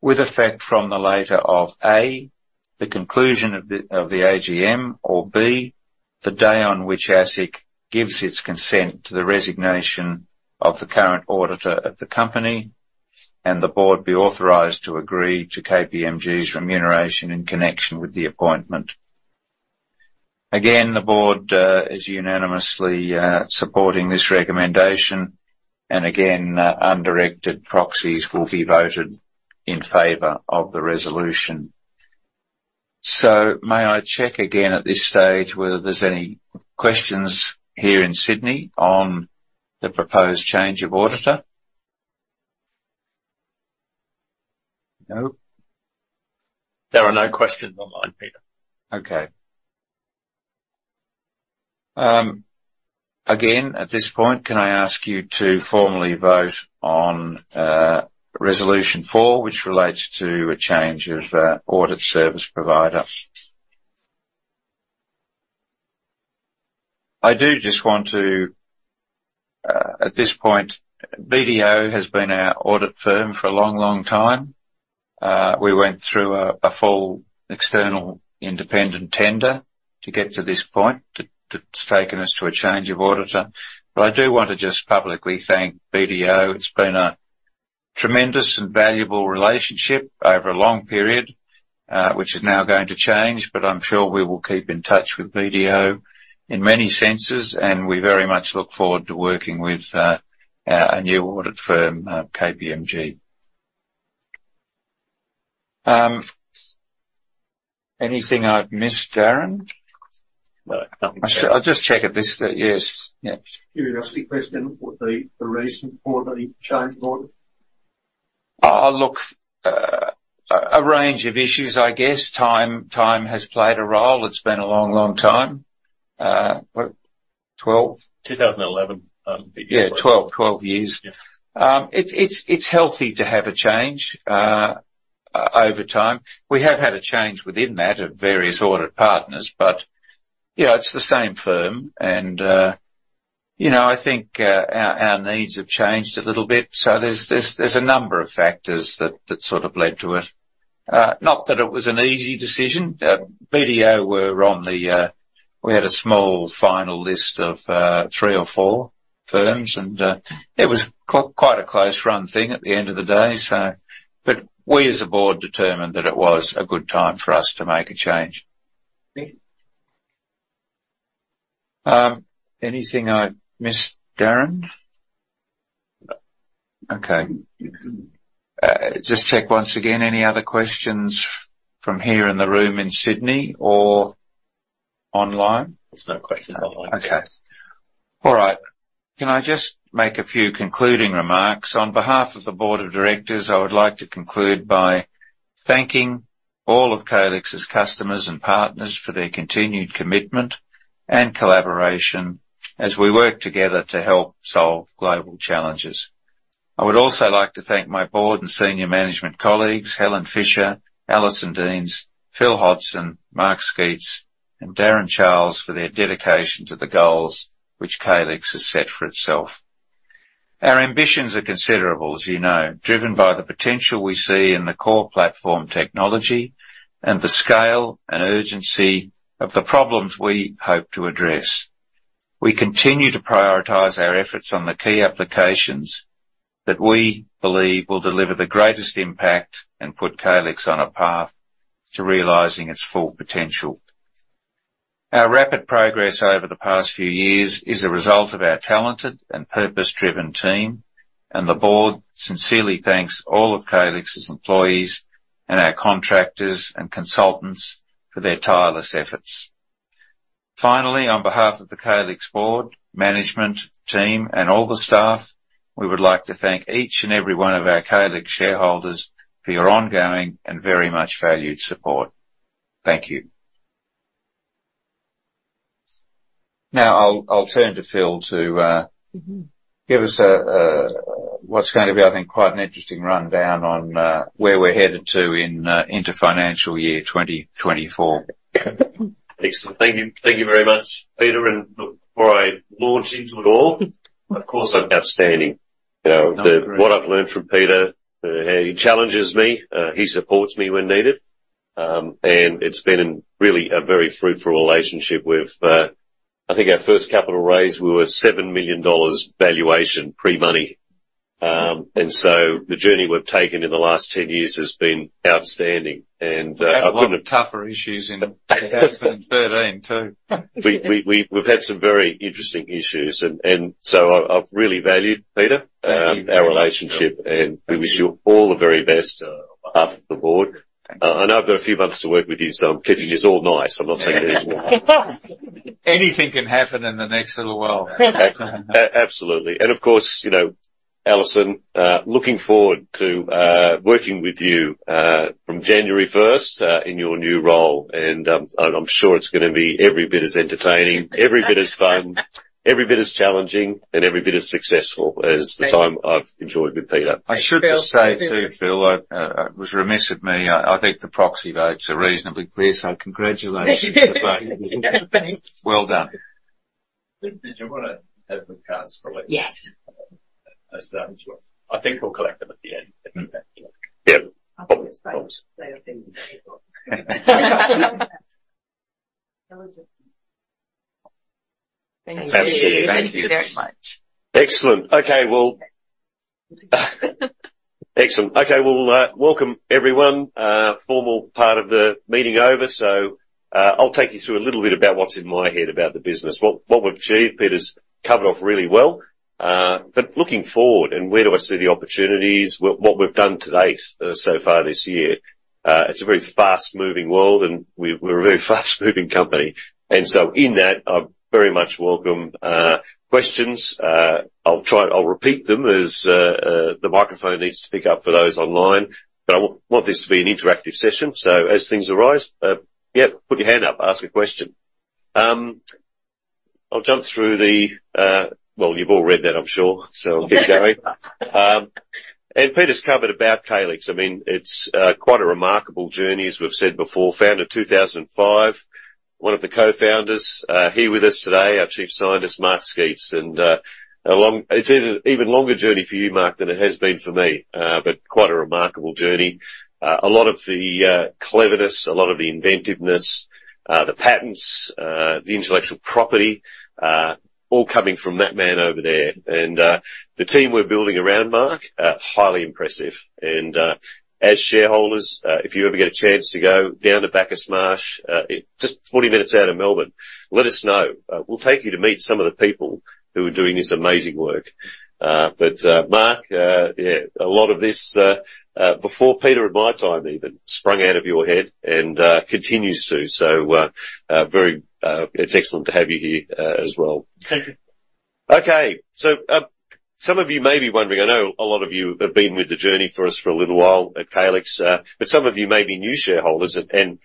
with effect from the later of: A, the conclusion of the AGM, or B, the day on which ASIC gives its consent to the resignation of the current auditor of the company, and the board be authorized to agree to KPMG's remuneration in connection with the appointment. Again, the board is unanimously supporting this recommendation, and again, undirected proxies will be voted in favor of the resolution. May I check again at this stage, whether there's any questions here in Sydney on the proposed change of auditor? No? There are no questions online, Peter. Okay. Again, at this point, can I ask you to formally vote on, resolution four, which relates to a change of, audit service provider. I do just want to, at this point, BDO has been our audit firm for a long, long time. We went through a full external independent tender to get to this point. That's taken us to a change of auditor. But I do want to just publicly thank BDO. It's been a tremendous and valuable relationship over a long period, which is now going to change, but I'm sure we will keep in touch with BDO in many senses, and we very much look forward to working with, our new audit firm, KPMG. Anything I've missed, Darren? No, nothing. I'll just check at this. Yes. Yeah. Curious question, what's the reason for the change of audit? Look, a range of issues, I guess. Time has played a role. It's been a long, long time. What? 12? 2011. Yeah, 12, 12 years. Yeah. It's healthy to have a change over time. We have had a change within that of various audit partners, but, you know, it's the same firm, and, you know, I think, our needs have changed a little bit. So there's a number of factors that sort of led to it. Not that it was an easy decision. BDO were on the. We had a small final list of three or four firms, and it was quite a close-run thing at the end of the day, so. But we, as a board, determined that it was a good time for us to make a change. Thank you. Anything I missed, Darren? No. Okay. Just check once again, any other questions from here in the room in Sydney or online? There's no questions online. Okay. All right. Can I just make a few concluding remarks? On behalf of the board of directors, I would like to conclude by thanking all of Calix's customers and partners for their continued commitment and collaboration as we work together to help solve global challenges. I would also like to thank my board and senior management colleagues, Helen Fisher, Alison Deans, Phil Hodgson, Mark Sceats, and Darren Charles, for their dedication to the goals which Calix has set for itself. Our ambitions are considerable, as you know, driven by the potential we see in the core platform technology and the scale and urgency of the problems we hope to address. We continue to prioritize our efforts on the key applications that we believe will deliver the greatest impact and put Calix on a path to realizing its full potential.... Our rapid progress over the past few years is a result of our talented and purpose-driven team, and the board sincerely thanks all of Calix's employees and our contractors and consultants for their tireless efforts. Finally, on behalf of the Calix board, management, team, and all the staff, we would like to thank each and every one of our Calix shareholders for your ongoing and very much valued support. Thank you. Now, I'll turn to Phil to Mm-hmm. Give us what's going to be, I think, quite an interesting rundown on where we're headed into financial year 2024. Excellent. Thank you, thank you very much, Peter, and before I launch into it all, of course, outstanding. You know, what I've learned from Peter, he challenges me, he supports me when needed. And it's been really a very fruitful relationship with. I think our first capital raise, we were 7 million dollars valuation, pre-money. And so the journey we've taken in the last 10 years has been outstanding. And, I couldn't- We had a lot of tougher issues in 2013, too. We've had some very interesting issues. And so I've really valued, Peter- Thank you. Our relationship, and we wish you all the very best on behalf of the board. Thank you. I know I've got a few months to work with you, so I'm kidding. It's all nice. I'm not saying anything. Anything can happen in the next little while. Absolutely. And, of course, you know, Alison, looking forward to working with you from January first in your new role. And I'm sure it's gonna be every bit as entertaining, every bit as fun, every bit as challenging, and every bit as successful as the time I've enjoyed with Peter. I should just say to you, Phil, I, it was remiss of me. I, I think the proxy votes are reasonably clear, so congratulations to both of you. Well done. Did you wanna have the cards released? Yes. As those ones. I think we'll collect them at the end. Mm-hmm. Yep. Of course, they have been. Thank you. Absolutely. Thank you very much. Excellent! Okay, well, welcome everyone. Formal part of the meeting over, so, I'll take you through a little bit about what's in my head about the business. What, what we've achieved, Peter's covered off really well. But looking forward, and where do I see the opportunities? What, what we've done to date, so far this year, it's a very fast-moving world, and we, we're a very fast-moving company. And so in that, I very much welcome, questions. I'll try. I'll repeat them as, the microphone needs to pick up for those online. But I want this to be an interactive session, so as things arise, yeah, put your hand up, ask a question. I'll jump through the. Well, you've all read that, I'm sure, so I'll get going. And Peter's covered about Calix. I mean, it's quite a remarkable journey, as we've said before. Founded in 2005. One of the co-founders here with us today, our Chief Scientist, Mark Sceats. And it's an even longer journey for you, Mark, than it has been for me, but quite a remarkable journey. A lot of the cleverness, a lot of the inventiveness, the patents, the intellectual property, all coming from that man over there. And the team we're building around Mark, highly impressive. And as shareholders, if you ever get a chance to go down to Bacchus Marsh, just 40 minutes out of Melbourne, let us know. We'll take you to meet some of the people who are doing this amazing work. But Mark, yeah, a lot of this before Peter, at my time even, sprung out of your head and continues to. So very... It's excellent to have you here as well. Thank you. Okay, so, some of you may be wondering, I know a lot of you have been with the journey for us for a little while at Calix, but some of you may be new shareholders. And,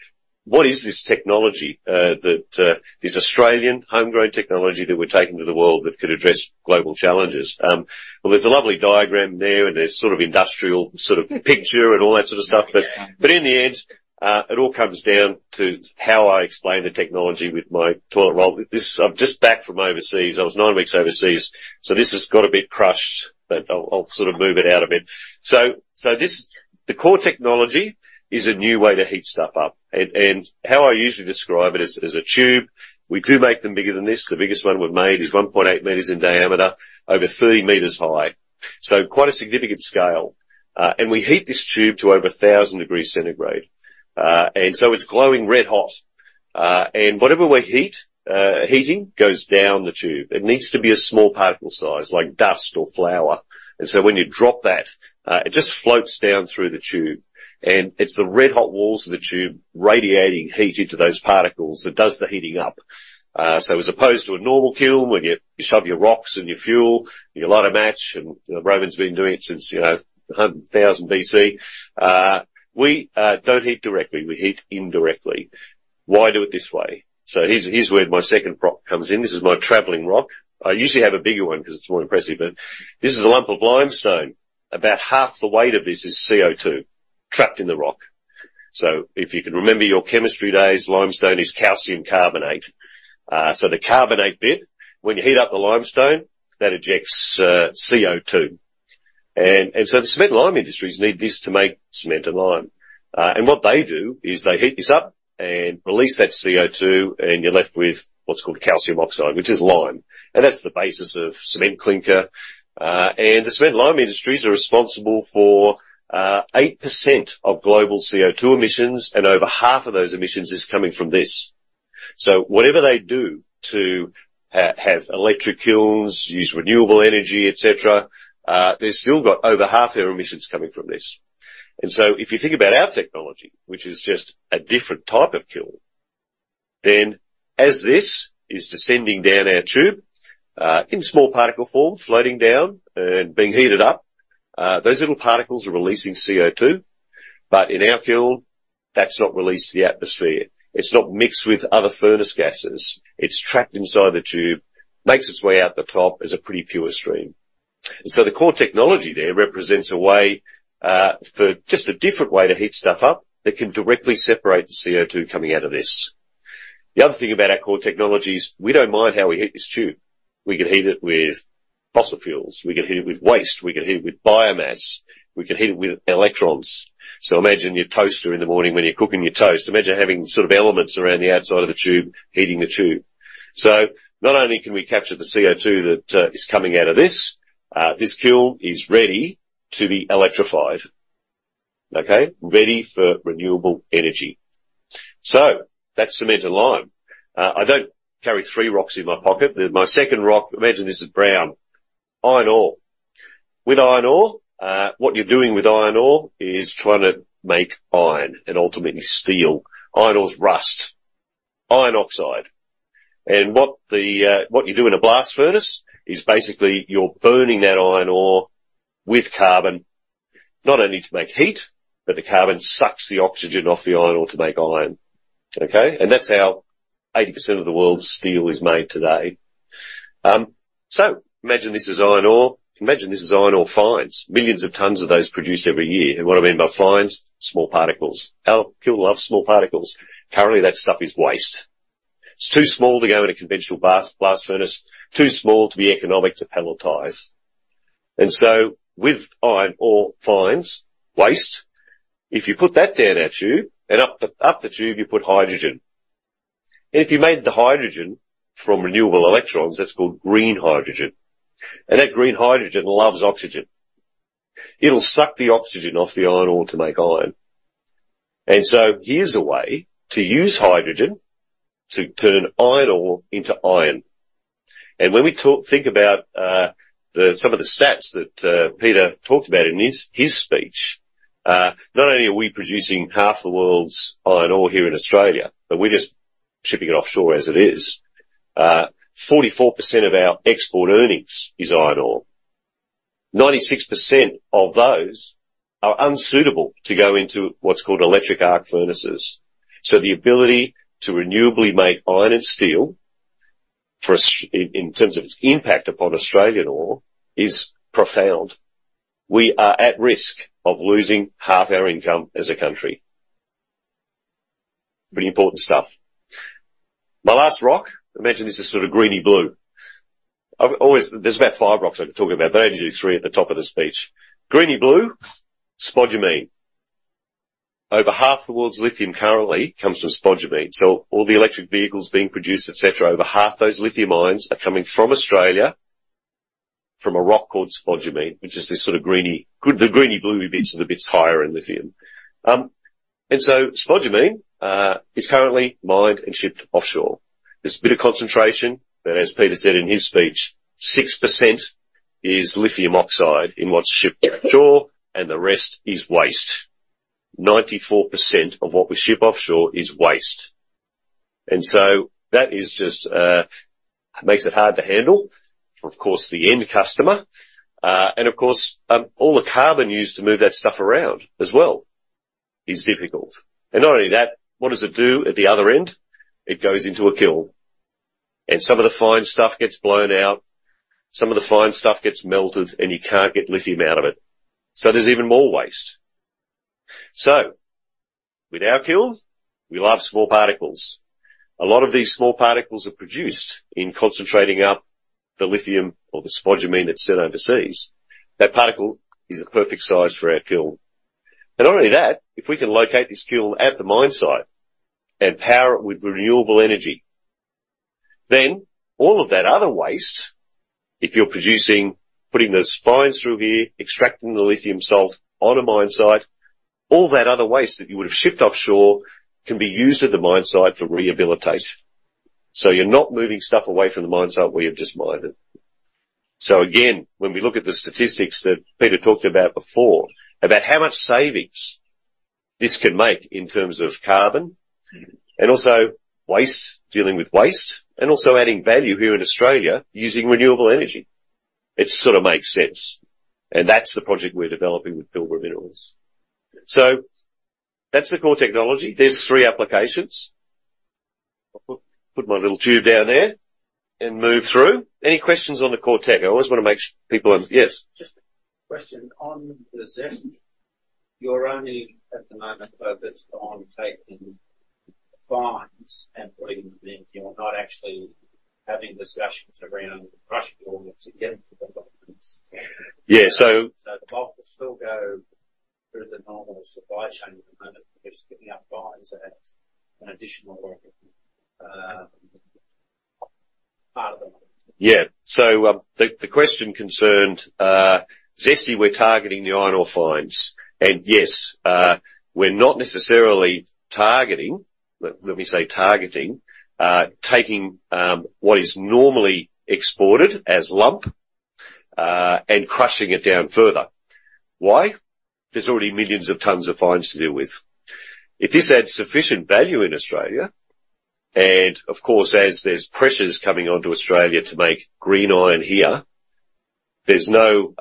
what is this technology, that this Australian homegrown technology that we're taking to the world, that could address global challenges? Well, there's a lovely diagram there, and there's sort of industrial, sort of picture and all that sort of stuff. But in the end, it all comes down to how I explain the technology with my toilet roll. This. I'm just back from overseas. I was nine weeks overseas, so this has got a bit crushed, but I'll sort of move it out a bit. So this, the core technology is a new way to heat stuff up, and how I usually describe it is a tube. We do make them bigger than this. The biggest one we've made is 1.8 meters in diameter, over 30 meters high. So quite a significant scale. And we heat this tube to over 1,000 degrees centigrade. And so it's glowing red hot, and whatever we heat goes down the tube. It needs to be a small particle size, like dust or flour. And so when you drop that, it just floats down through the tube, and it's the red-hot walls of the tube radiating heat into those particles that does the heating up. So as opposed to a normal kiln, when you shove your rocks and your fuel, you light a match, and, you know, Romans been doing it since, you know, 100,000 BC. We don't heat directly, we heat indirectly. Why do it this way? So here's where my second prop comes in. This is my traveling rock. I usually have a bigger one, 'cause it's more impressive, but this is a lump of limestone. About half the weight of this is CO2, trapped in the rock. So if you can remember your chemistry days, limestone is calcium carbonate. So the carbonate bit, when you heat up the limestone, that ejects CO2. And so the cement lime industries need this to make cement and lime. What they do is they heat this up and release that CO2, and you're left with what's called calcium oxide, which is lime. That's the basis of cement clinker. The cement lime industries are responsible for 8% of global CO2 emissions, and over half of those emissions is coming from this. So whatever they do to have electric kilns, use renewable energy, et cetera, they've still got over half their emissions coming from this. So if you think about our technology, which is just a different type of kiln, then as this is descending down our tube, in small particle form, floating down and being heated up, those little particles are releasing CO2, but in our kiln, that's not released to the atmosphere. It's not mixed with other furnace gases. It's trapped inside the tube, makes its way out the top as a pretty pure stream. And so the core technology there represents a way for just a different way to heat stuff up that can directly separate the CO2 coming out of this. The other thing about our core technology is we don't mind how we heat this tube. We can heat it with fossil fuels, we can heat it with waste, we can heat it with biomass, we can heat it with electrons. So imagine your toaster in the morning when you're cooking your toast. Imagine having sort of elements around the outside of the tube, heating the tube. So not only can we capture the CO2 that is coming out of this, this kiln is ready to be electrified. Okay? Ready for renewable energy. So that's cement and lime. I don't carry three rocks in my pocket. My second rock, imagine this is brown, iron ore. With iron ore, what you're doing with iron ore is trying to make iron and ultimately steel. Iron ore is rust, iron oxide, and what you do in a blast furnace is basically you're burning that iron ore with carbon, not only to make heat, but the carbon sucks the oxygen off the iron ore to make iron, okay? And that's how 80% of the world's steel is made today. So imagine this is iron ore. Imagine this is iron ore fines. Millions of tons of those produced every year. And what I mean by fines, small particles. Our people love small particles. Currently, that stuff is waste. It's too small to go in a conventional blast furnace, too small to be economic to pelletize. And so with iron ore fines, waste, if you put that down our tube and up the tube, you put hydrogen. And if you made the hydrogen from renewable electrons, that's called green hydrogen, and that green hydrogen loves oxygen. It'll suck the oxygen off the iron ore to make iron. And so here's a way to use hydrogen to turn iron ore into iron. And when we talk, think about the some of the stats that Peter talked about in his speech, not only are we producing half the world's iron ore here in Australia, but we're just shipping it offshore as it is. 44% of our export earnings is iron ore. 96% of those are unsuitable to go into what's called electric arc furnaces. So the ability to renewably make iron and steel for Australia, in terms of its impact upon Australian ore, is profound. We are at risk of losing half our income as a country. Pretty important stuff. My last rock, imagine this is sort of greeny blue. There's about five rocks I could talk about, but I only do three at the top of the speech. Greeny blue, spodumene. Over half the world's lithium currently comes from spodumene, so all the electric vehicles being produced, et cetera, over half those lithium ions are coming from Australia, from a rock called spodumene, which is this sort of greeny, the greeny bluey bits are the bits higher in lithium. And so spodumene is currently mined and shipped offshore. There's a bit of concentration, but as Peter said in his speech, 6% is lithium oxide in what's shipped offshore, and the rest is waste. 94% of what we ship offshore is waste, and so that is just makes it hard to handle for, of course, the end customer. Of course, all the carbon used to move that stuff around as well is difficult. Not only that, what does it do at the other end? It goes into a kiln, and some of the fine stuff gets blown out, some of the fine stuff gets melted, and you can't get lithium out of it. There's even more waste. With our kiln, we love small particles. A lot of these small particles are produced in concentrating up the lithium or the spodumene that's sent overseas. That particle is a perfect size for our kiln. And not only that, if we can locate this kiln at the mine site and power it with renewable energy, then all of that other waste, if you're producing, putting those fines through here, extracting the lithium salt on a mine site, all that other waste that you would have shipped offshore can be used at the mine site for rehabilitation. So you're not moving stuff away from the mine site where you've just mined it. So again, when we look at the statistics that Peter talked about before, about how much savings this can make in terms of carbon and also waste, dealing with waste, and also adding value here in Australia using renewable energy, it sort of makes sense, and that's the project we're developing with Pilbara Minerals. So that's the core technology. There's three applications. I'll put my little tube down there and move through. Any questions on the core tech? I always want to make sure people are... Yes. Just a question on the ZESTY. You're only at the moment focused on taking fines and putting them in. You're not actually having discussions around crushing ore to get into the fines? Yeah, so- So the bulk will still go through the normal supply chain at the moment, because picking up fines adds an additional,... Yeah. So, the question concerned specifically we're targeting the iron ore fines. And, yes, we're not necessarily targeting, let me say targeting, taking what is normally exported as lump and crushing it down further. Why? There's already millions of tons of fines to deal with. If this adds sufficient value in Australia, and of course, as there's pressures coming onto Australia to make green iron here, there's no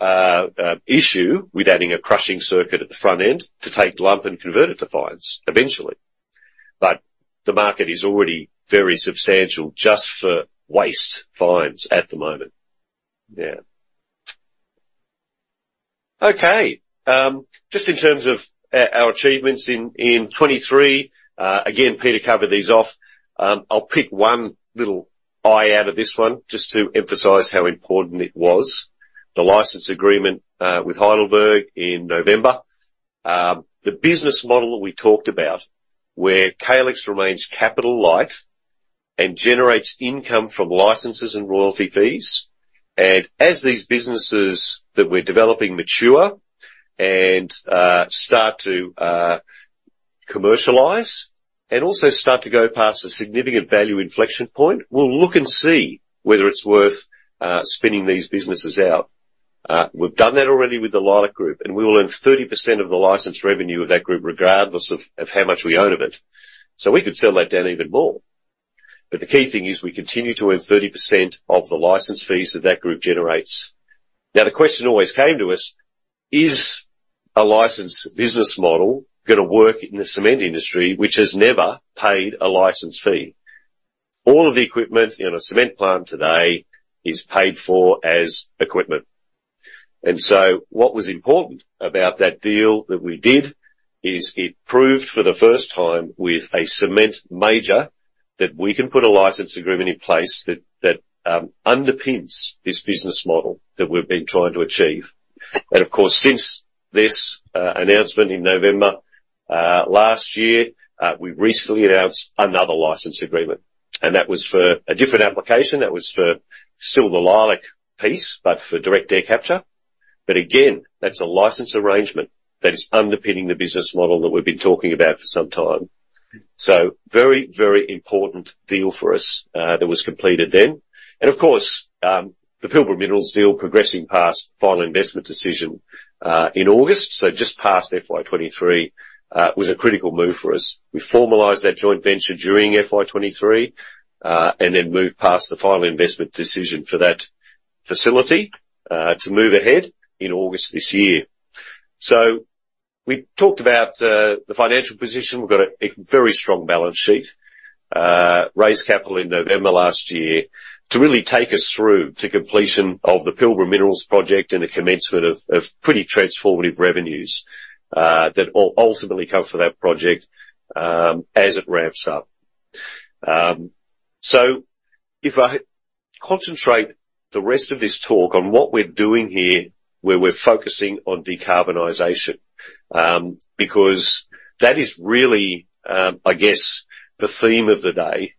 issue with adding a crushing circuit at the front end to take lump and convert it to fines, eventually. But the market is already very substantial just for waste fines at the moment. Yeah. Okay, just in terms of our achievements in 2023, again, Peter covered these off. I'll pick one little item out of this one, just to emphasize how important it was: the license agreement with Heidelberg in November. The business model that we talked about, where Calix remains capital light and generates income from licenses and royalty fees. And as these businesses that we're developing mature and start to commercialize and also start to go past a significant value inflection point, we'll look and see whether it's worth spinning these businesses out. We've done that already with the Leilac group, and we will own 30% of the license revenue of that group, regardless of how much we own of it. So we could sell that down even more. But the key thing is we continue to own 30% of the license fees that that group generates. Now, the question always came to us: Is a license business model gonna work in the cement industry, which has never paid a license fee? All of the equipment in a cement plant today is paid for as equipment. And so what was important about that deal that we did is it proved for the first time with a cement major that we can put a license agreement in place that underpins this business model that we've been trying to achieve. And of course, since this announcement in November last year, we've recently announced another license agreement, and that was for a different application. That was for still the Leilac piece, but for direct air capture. But again, that's a license arrangement that is underpinning the business model that we've been talking about for some time. So very, very important deal for us, that was completed then. And of course, the Pilbara Minerals deal progressing past final investment decision, in August, so just past FY 2023, was a critical move for us. We formalized that joint venture during FY 2023, and then moved past the final investment decision for that facility, to move ahead in August this year. So we talked about the financial position. We've got a very strong balance sheet. Raised capital in November last year to really take us through to completion of the Pilbara Minerals project and the commencement of pretty transformative revenues, that will ultimately come from that project, as it ramps up. So if I concentrate the rest of this talk on what we're doing here, where we're focusing on decarbonization, because that is really, I guess, the theme of the day.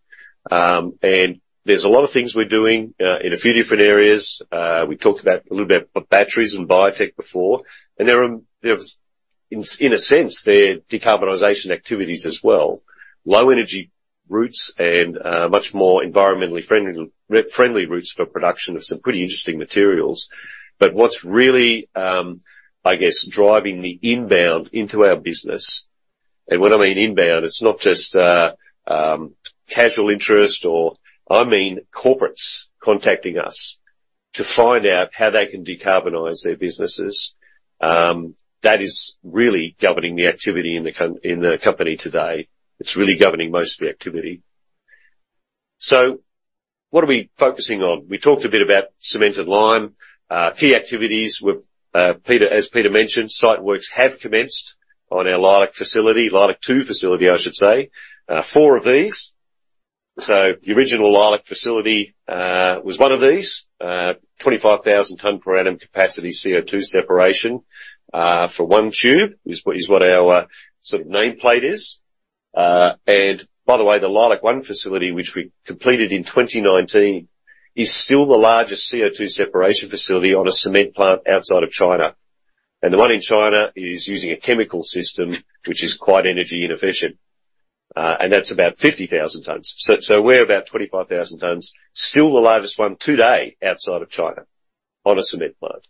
And there's a lot of things we're doing in a few different areas. We talked a little bit about batteries and biotech before, and there's, in a sense, they're decarbonization activities as well. Low energy routes and much more environmentally friendly routes for production of some pretty interesting materials. But what's really, I guess, driving me inbound into our business, and when I mean inbound, it's not just casual interest or... I mean corporates contacting us to find out how they can decarbonize their businesses. That is really governing the activity in the company today. It's really governing most of the activity. So what are we focusing on? We talked a bit about cement and lime. Key activities with Peter, as Peter mentioned, site works have commenced on our Leilac facility. Leilac-2 facility, I should say. Four of these. So the original Leilac facility was one of these. 25,000 tons per annum capacity, CO2 separation, for one tube, is what our sort of nameplate is. And by the way, the Leilac-1 facility, which we completed in 2019, is still the largest CO2 separation facility on a cement plant outside of China. And the one in China is using a chemical system, which is quite energy inefficient, and that's about 50,000 tons. So, we're about 25,000 tons, still the largest one today outside of China on a cement plant.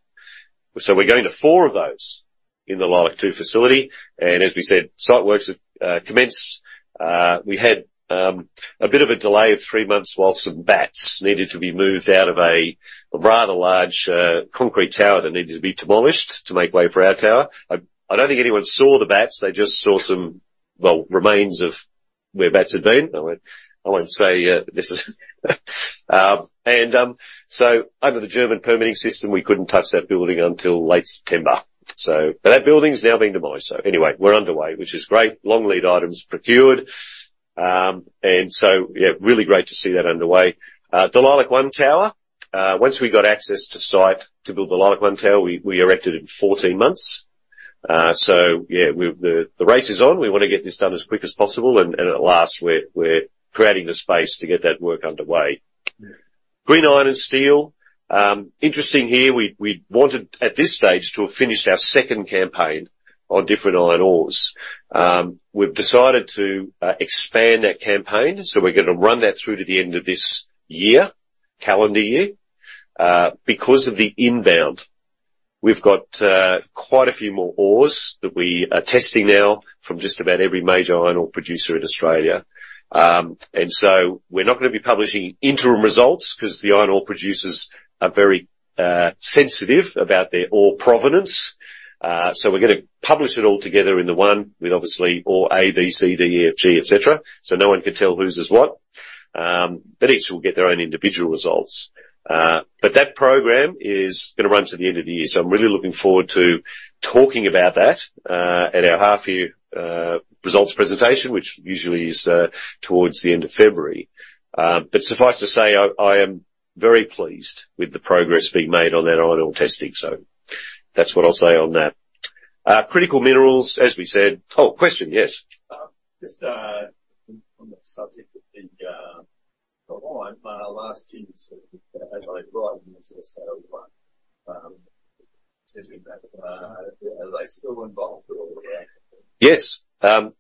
So we're going to four of those in the Leilac-2 facility, and as we said, site works have commenced. We had a bit of a delay of three months while some bats needed to be moved out of a rather large concrete tower that needed to be demolished to make way for our tower. I don't think anyone saw the bats, they just saw some, well, remains of where bats had been. I wouldn't say this is. So under the German permitting system, we couldn't touch that building until late September. But that building's now been demolished, so anyway, we're underway, which is great. Long lead items procured. Yeah, really great to see that underway. The Leilac-1 tower, once we got access to site to build the Leilac-1 tower, we erected it in 14 months. So yeah, we've the race is on. We want to get this done as quick as possible, and at last, we're creating the space to get that work underway. Green iron and steel, interesting here. We wanted, at this stage, to have finished our second campaign on different iron ores. We've decided to expand that campaign, so we're gonna run that through to the end of this year, calendar year. Because of the inbound, we've got quite a few more ores that we are testing now from just about every major iron ore producer in Australia. And so we're not gonna be publishing interim results 'cause the iron ore producers are very sensitive about their ore provenance. So we're gonna publish it all together in the one with obviously, ore A, B, C, D, E, F, G, et cetera, so no one can tell whose is what. But each will get their own individual results. But that program is gonna run to the end of the year, so I'm really looking forward to talking about that at our half year results presentation, which usually is towards the end of February. But suffice to say, I am very pleased with the progress being made on that iron ore testing, so that's what I'll say on that. Critical minerals, as we said. Oh, question, yes. Just on the subject of the lime last year, so Adelaide Brighton, are they still involved with all the action? Yes.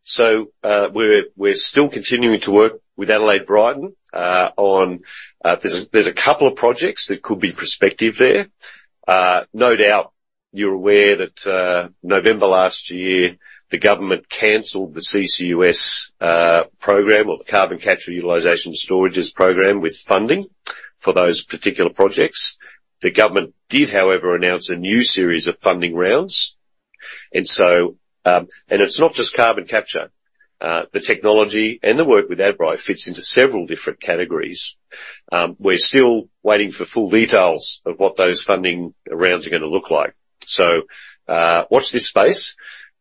So, we're still continuing to work with Adelaide Brighton on. There's a couple of projects that could be prospective there. No doubt, you're aware that November last year, the government canceled the CCUS program, or the Carbon Capture Utilization Storages program, with funding for those particular projects. The government did, however, announce a new series of funding rounds. And so, and it's not just carbon capture. The technology and the work with Adbri fits into several different categories. We're still waiting for full details of what those funding rounds are gonna look like. So, watch this space.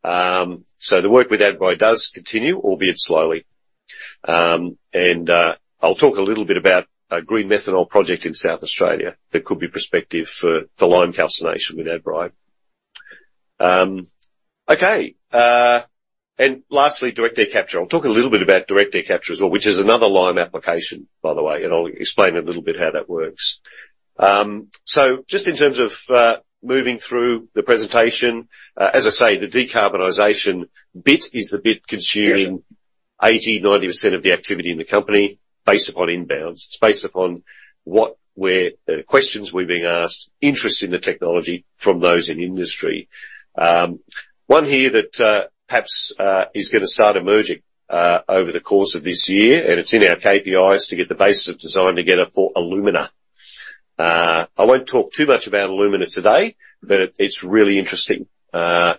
So the work with Adbri does continue, albeit slowly. And, I'll talk a little bit about a green methanol project in South Australia that could be prospective for the lime calcination with Adbri. Okay, and lastly, direct air capture. I'll talk a little bit about direct air capture as well, which is another lime application, by the way, and I'll explain a little bit how that works. So just in terms of moving through the presentation, as I say, the decarbonization bit is the bit consuming 80%-90% of the activity in the company, based upon inbounds. It's based upon what we're, the questions we're being asked, interest in the technology from those in the industry. One here that perhaps is gonna start emerging over the course of this year, and it's in our KPIs to get the basis of design together for alumina. I won't talk too much about alumina today, but it's really interesting that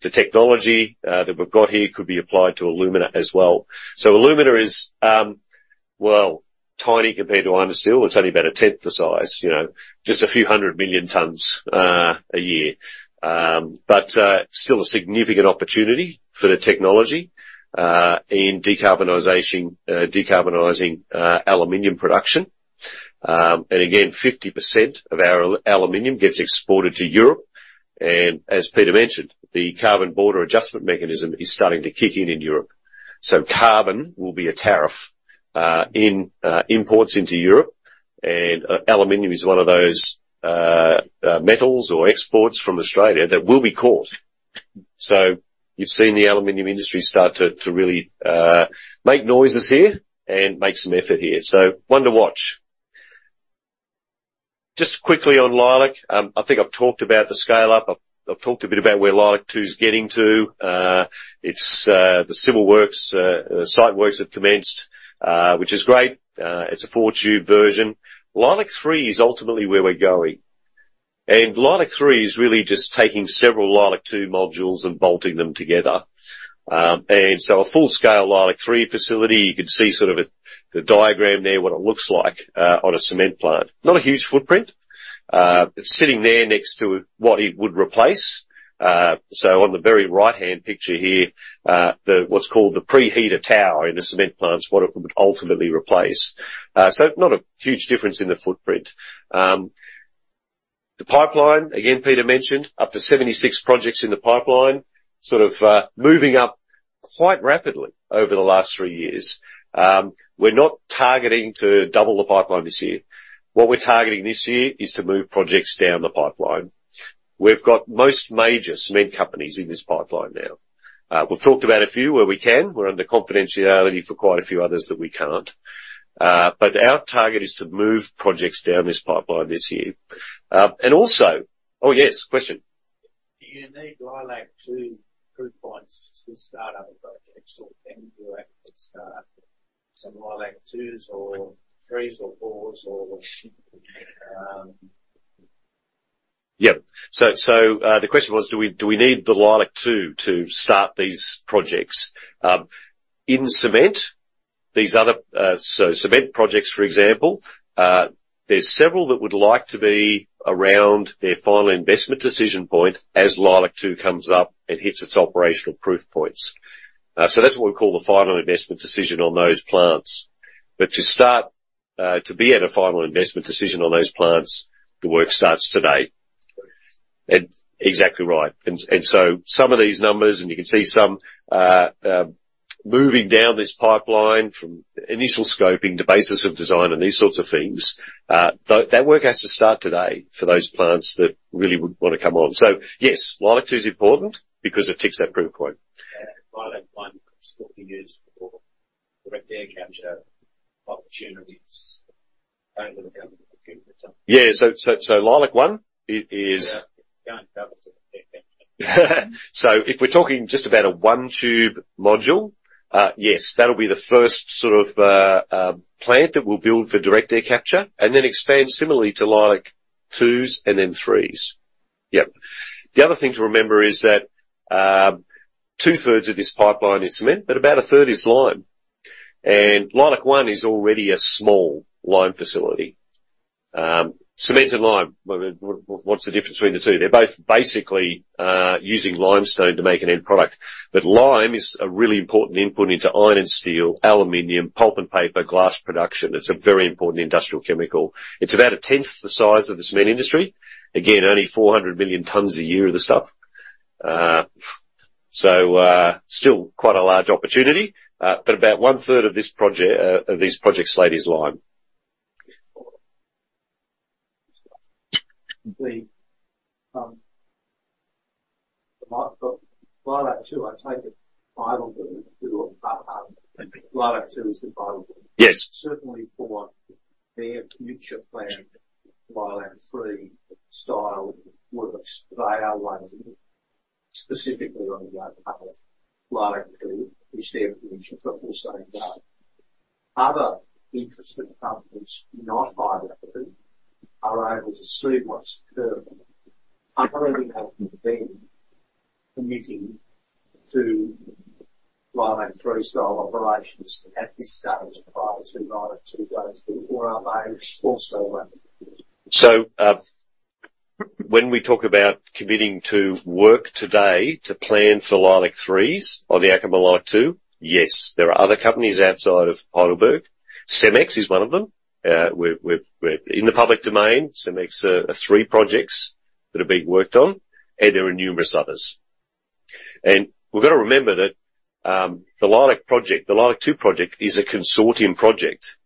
the technology that we've got here could be applied to alumina as well. So alumina is, well, tiny compared to iron and steel. It's only about a tenth the size, you know, just a few 100 million tons a year. But still a significant opportunity for the technology in decarbonization, decarbonizing aluminum production. And again, 50% of our aluminum gets exported to Europe, and as Peter mentioned, the Carbon Border Adjustment Mechanism is starting to kick in in Europe. So carbon will be a tariff in imports into Europe, and aluminum is one of those metals or exports from Australia that will be caught. So you've seen the aluminum industry start to really make noises here and make some effort here. So one to watch. Just quickly on Leilac. I think I've talked about the scale-up. I've talked a bit about where Leilac-2's getting to. It's the civil works site works have commenced, which is great. It's a four-tube version. Leilac-3 is ultimately where we're going, and Leilac-3 is really just taking several Leilac-2 modules and bolting them together. And so a full-scale Leilac-3 facility, you can see sort of the diagram there, what it looks like on a cement plant. Not a huge footprint. It's sitting there next to what it would replace. So on the very right-hand picture here, what's called the preheater tower in the cement plant is what it would ultimately replace. So not a huge difference in the footprint. The pipeline, again, Peter mentioned, up to 76 projects in the pipeline, sort of moving up quite rapidly over the last 3 years. We're not targeting to double the pipeline this year. What we're targeting this year is to move projects down the pipeline. We've got most major cement companies in this pipeline now. We've talked about a few where we can. We're under confidentiality for quite a few others that we can't. But our target is to move projects down this pipeline this year. And also... Oh, yes, question. Do you need Leilac-2 proof points to start other projects, or can you actually start some Leilac-2s or 3s or 4s? Yep. So, the question was, do we need the Leilac-2 to start these projects? In cement, these other cement projects, for example, there's several that would like to be around their final investment decision point as Leilac-2 comes up and hits its operational proof points. So that's what we call the final investment decision on those plants. But to be at a final investment decision on those plants, the work starts today. And exactly right. And so some of these numbers, and you can see some moving down this pipeline from initial scoping to basis of design and these sorts of things. But that work has to start today for those plants that really would want to come on. So yes, Leilac-2 is important because it ticks that proof point. Yeah, Leilac-1 is 40 years for direct air capture opportunities. Yeah. So if we're talking just about a one tube module, yes, that'll be the first plant that we'll build for direct air capture, and then expand similarly to Leilac twos and then threes. Yep. The other thing to remember is that two-thirds of this pipeline is cement, but about a third is lime, and Leilac-1 is already a small lime facility. Cement and lime, what, what's the difference between the two? They're both basically using limestone to make an end product. But lime is a really important input into iron and steel, aluminum, pulp and paper, glass production. It's a very important industrial chemical. It's about a tenth the size of the cement industry. Again, only 400 million tons a year of the stuff. So, still quite a large opportunity, but about one-third of this project slate is lime. The Leilac-2, I take it, Heidelberg will Leilac-2 is Heidelberg. Yes. Certainly for their future plant, Leilac-3 style works. They are waiting specifically on that part of Leilac-3, is their future, but we're saying that other interested companies, not Heidelberg, are able to see what's occurring, are already having been committing to Leilac-3 style operations at this stage of Leilac-2, Leilac-2, or are they also...? So, when we talk about committing to work today to plan for Leilac-3s on the back of Leilac-2, yes, there are other companies outside of Heidelberg. CEMEX is one of them. We're in the public domain. CEMEX are three projects that are being worked on, and there are numerous others. And we've got to remember that, the Leilac project, the Leilac-2 project, is a consortium project.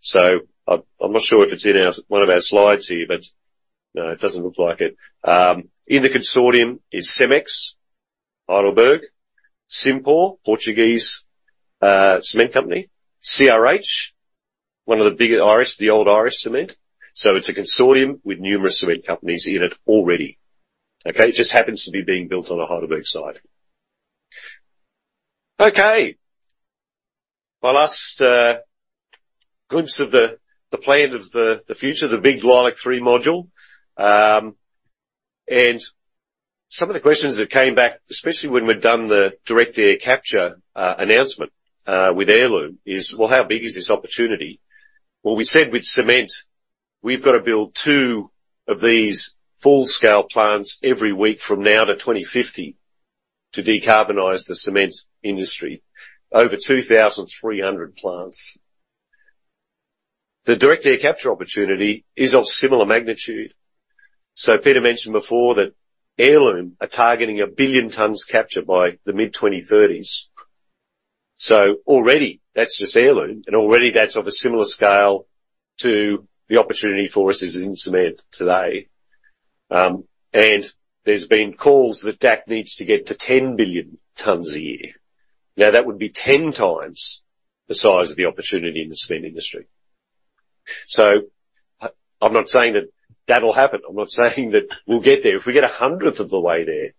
So I, I'm not sure if it's in our, one of our slides here, but... No, it doesn't look like it. In the consortium is CEMEX, Heidelberg, Cimpor, Portuguese cement company, CRH, one of the bigger Irish, the old Irish Cement. So it's a consortium with numerous cement companies in it already. Okay? It just happens to be being built on the Heidelberg site. Okay, well, last glimpse of the plan of the future, the big Leilac-3 module. And some of the questions that came back, especially when we'd done the direct air capture announcement with Heirloom, is, well, how big is this opportunity? Well, we said with cement, we've got to build two of these full-scale plants every week from now to 2050 to decarbonize the cement industry. Over 2,300 plants. The direct air capture opportunity is of similar magnitude. So Peter mentioned before that Heirloom are targeting 1 billion tons capture by the mid-2030s. So already, that's just Heirloom, and already that's of a similar scale to the opportunity for us as it is in cement today. And there's been calls that DAC needs to get to 10 billion tons a year. Now, that would be 10 times the size of the opportunity in the cement industry. So, I'm not saying that that'll happen. I'm not saying that we'll get there. If we get a hundredth of the way there,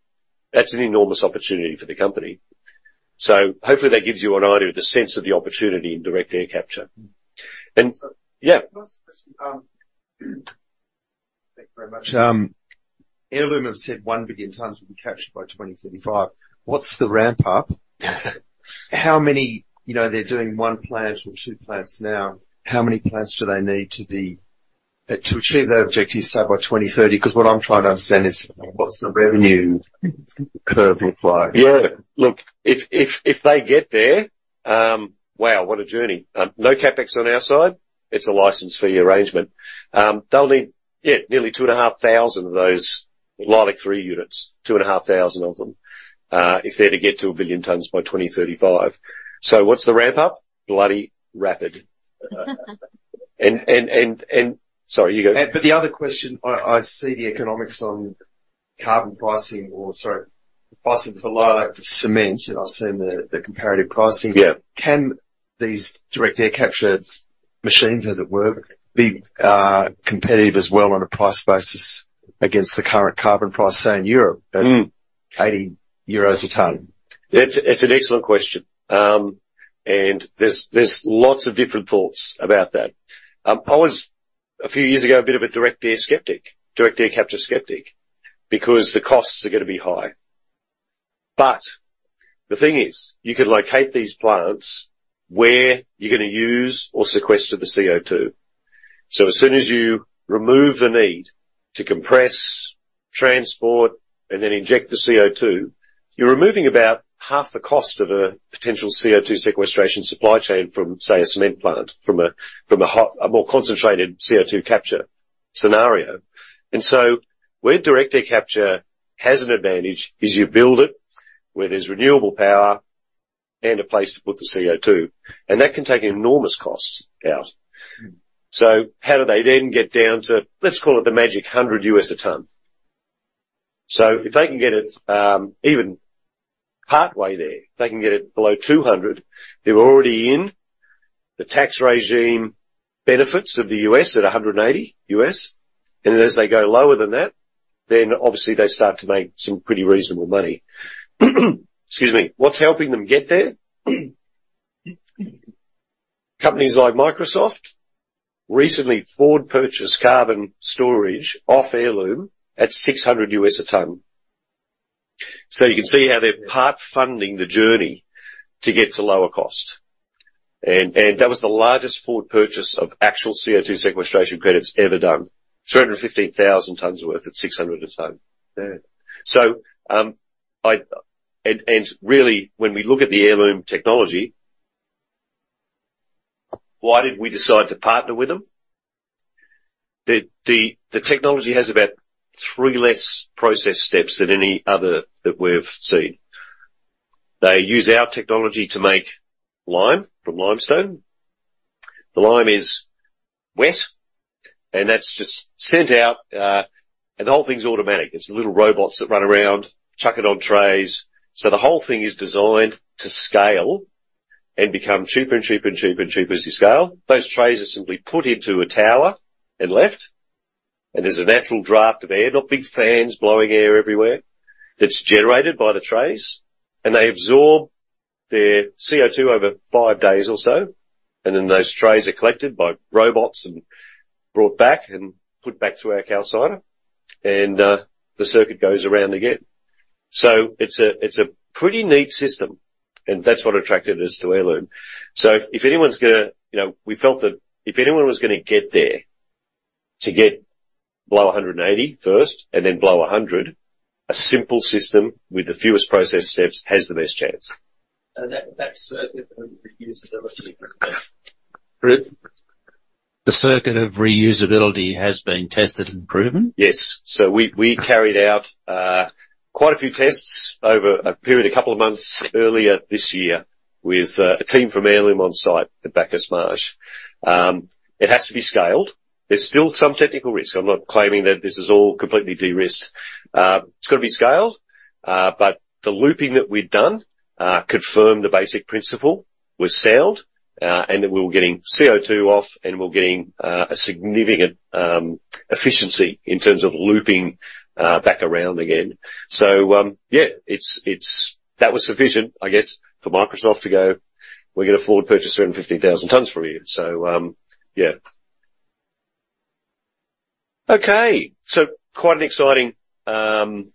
that's an enormous opportunity for the company. So hopefully that gives you an idea of the sense of the opportunity in Direct Air Capture. And, yeah. Last question. Thank you very much. Heirloom have said 1 billion tons will be captured by 2055. What's the ramp up? How many... You know, they're doing one plant or two plants now, how many plants do they need to be-- to achieve their objectives, say, by 2030? Because what I'm trying to understand is what's the revenue curve look like? Yeah. Look, if, if, if they get there, wow, what a journey! No CapEx on our side. It's a license fee arrangement. They'll need, yeah, nearly 2,500 of those Leilac-3 units. 2,500 of them, if they're to get to 1 billion tons by 2035. So what's the ramp up? Bloody rapid. And... Sorry, you go. But the other question, I see the economics on carbon pricing or, sorry, the pricing for Leilac for cement, and I've seen the comparative pricing. Yeah. Can these direct air capture machines, as it were, be, competitive as well on a price basis against the current carbon price, say, in Europe- Mm. at 80 euros a ton? It's an excellent question. And there's lots of different thoughts about that. I was, a few years ago, a bit of a direct air skeptic, direct air capture skeptic, because the costs are gonna be high. But the thing is, you could locate these plants where you're gonna use or sequester the CO2. So as soon as you remove the need to compress, transport, and then inject the CO2, you're removing about half the cost of a potential CO2 sequestration supply chain from, say, a cement plant, from a more concentrated CO2 capture scenario. And so where direct air capture has an advantage, is you build it, where there's renewable power and a place to put the CO2, and that can take enormous costs out. So how do they then get down to, let's call it the magic $100 a ton? So if they can get it, even partway there, if they can get it below 200, they're already in the tax regime benefits of the U.S. at $180, and as they go lower than that, then obviously they start to make some pretty reasonable money. Excuse me. What's helping them get there? Companies like Microsoft. Recently, Ford purchased carbon storage off Heirloom at $600 a ton. So you can see how they're part-funding the journey to get to lower cost. And that was the largest Ford purchase of actual CO2 sequestration credits ever done. 315,000 tons worth at $600 a ton. Yeah. So, really, when we look at the Heirloom technology, why did we decide to partner with them? The technology has about 3 less process steps than any other that we've seen. They use our technology to make lime from limestone. The lime is wet, and that's just sent out, and the whole thing's automatic. It's the little robots that run around, chuck it on trays. So the whole thing is designed to scale and become cheaper and cheaper and cheaper and cheaper as you scale. Those trays are simply put into a tower and left, and there's a natural draft of air, not big fans blowing air everywhere. That's generated by the trays, and they absorb the CO2 over five days or so, and then those trays are collected by robots and brought back and put back through our calciner, and the circuit goes around again. So it's a pretty neat system, and that's what attracted us to Heirloom. If anyone's gonna, you know, we felt that if anyone was gonna get there, to get below 180 first and then below 100, a simple system with the fewest process steps has the best chance. And that circuit reusability. Pardon? The circuit of reusability has been tested and proven? Yes. So we carried out quite a few tests over a period a couple of months earlier this year with a team from Heirloom on site at Bacchus Marsh. It has to be scaled. There's still some technical risk. I'm not claiming that this is all completely de-risked. It's got to be scaled, but the looping that we've done confirmed the basic principle was sound, and that we were getting CO2 off, and we're getting a significant efficiency in terms of looping back around again. So, yeah. That was sufficient, I guess, for Microsoft to go, "We're gonna forward purchase 350,000 tons from you." So, yeah. Okay. So quite an exciting, quite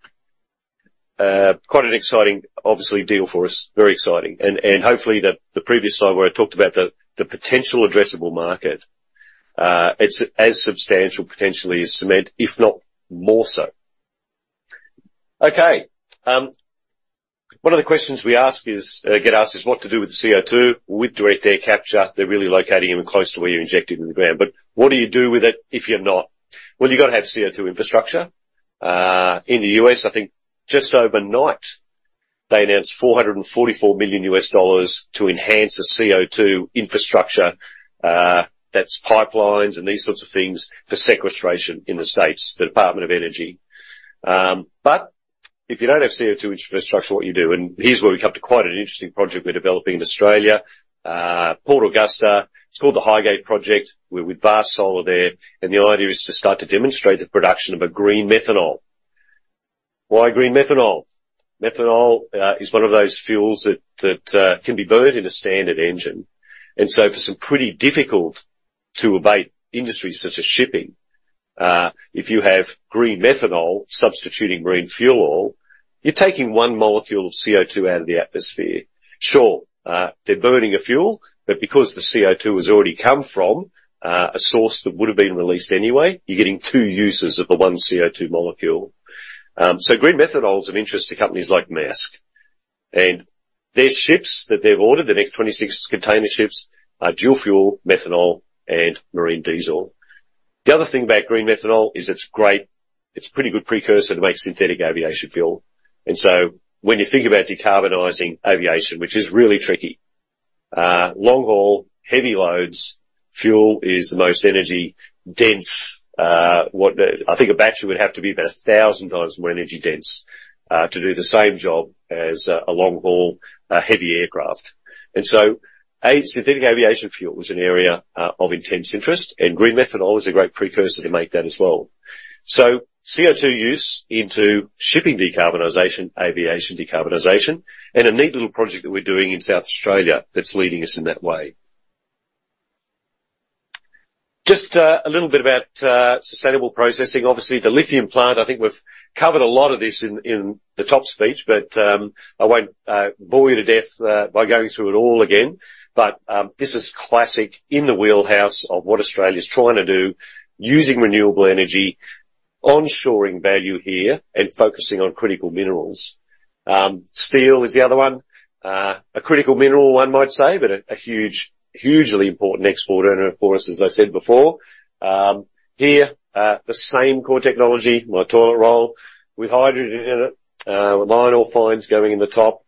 an exciting, obviously, deal for us. Very exciting. Hopefully, the previous slide where I talked about the potential addressable market, it's as substantial potentially as cement, if not more so. Okay, one of the questions we get asked is what to do with the CO2. With direct air capture, they're really locating them close to where you inject it in the ground. But what do you do with it if you're not? Well, you've got to have CO2 infrastructure. In the U.S., I think just overnight, they announced $444 million to enhance the CO2 infrastructure. That's pipelines and these sorts of things for sequestration in the States, the Department of Energy. But if you don't have CO2 infrastructure, what do you do? And here's where we come to quite an interesting project we're developing in Australia. Port Augusta, it's called the HyGate Project, with Vast Solar there, and the idea is to start to demonstrate the production of a green methanol. Why green methanol? Methanol is one of those fuels that can be burned in a standard engine, and so for some pretty difficult-to-abate industries, such as shipping, if you have green methanol substituting marine fuel oil, you're taking one molecule of CO2 out of the atmosphere. Sure, they're burning a fuel, but because the CO2 has already come from a source that would have been released anyway, you're getting two uses of the one CO2 molecule. So green methanol is of interest to companies like Maersk, and their ships that they've ordered, the next 26 container ships, are dual-fuel, methanol and marine diesel. The other thing about green methanol is it's great. It's a pretty good precursor to make synthetic aviation fuel. And so when you think about decarbonizing aviation, which is really tricky, long-haul, heavy loads, fuel is the most energy-dense. I think a battery would have to be about 1,000 times more energy-dense to do the same job as a long-haul heavy aircraft. And so synthetic aviation fuel is an area of intense interest, and green methanol is a great precursor to make that as well. So CO2 use into shipping decarbonization, aviation decarbonization, and a neat little project that we're doing in South Australia that's leading us in that way. Just a little bit about sustainable processing. Obviously, the lithium plant, I think we've covered a lot of this in the top speech, but I won't bore you to death by going through it all again. But this is classic in the wheelhouse of what Australia's trying to do using renewable energy, onshoring value here and focusing on critical minerals. Steel is the other one. A critical mineral, one might say, but a huge, hugely important export earner for us, as I said before. Here, the same core technology, my toilet roll with hydrogen in it, mine ore fines going in the top.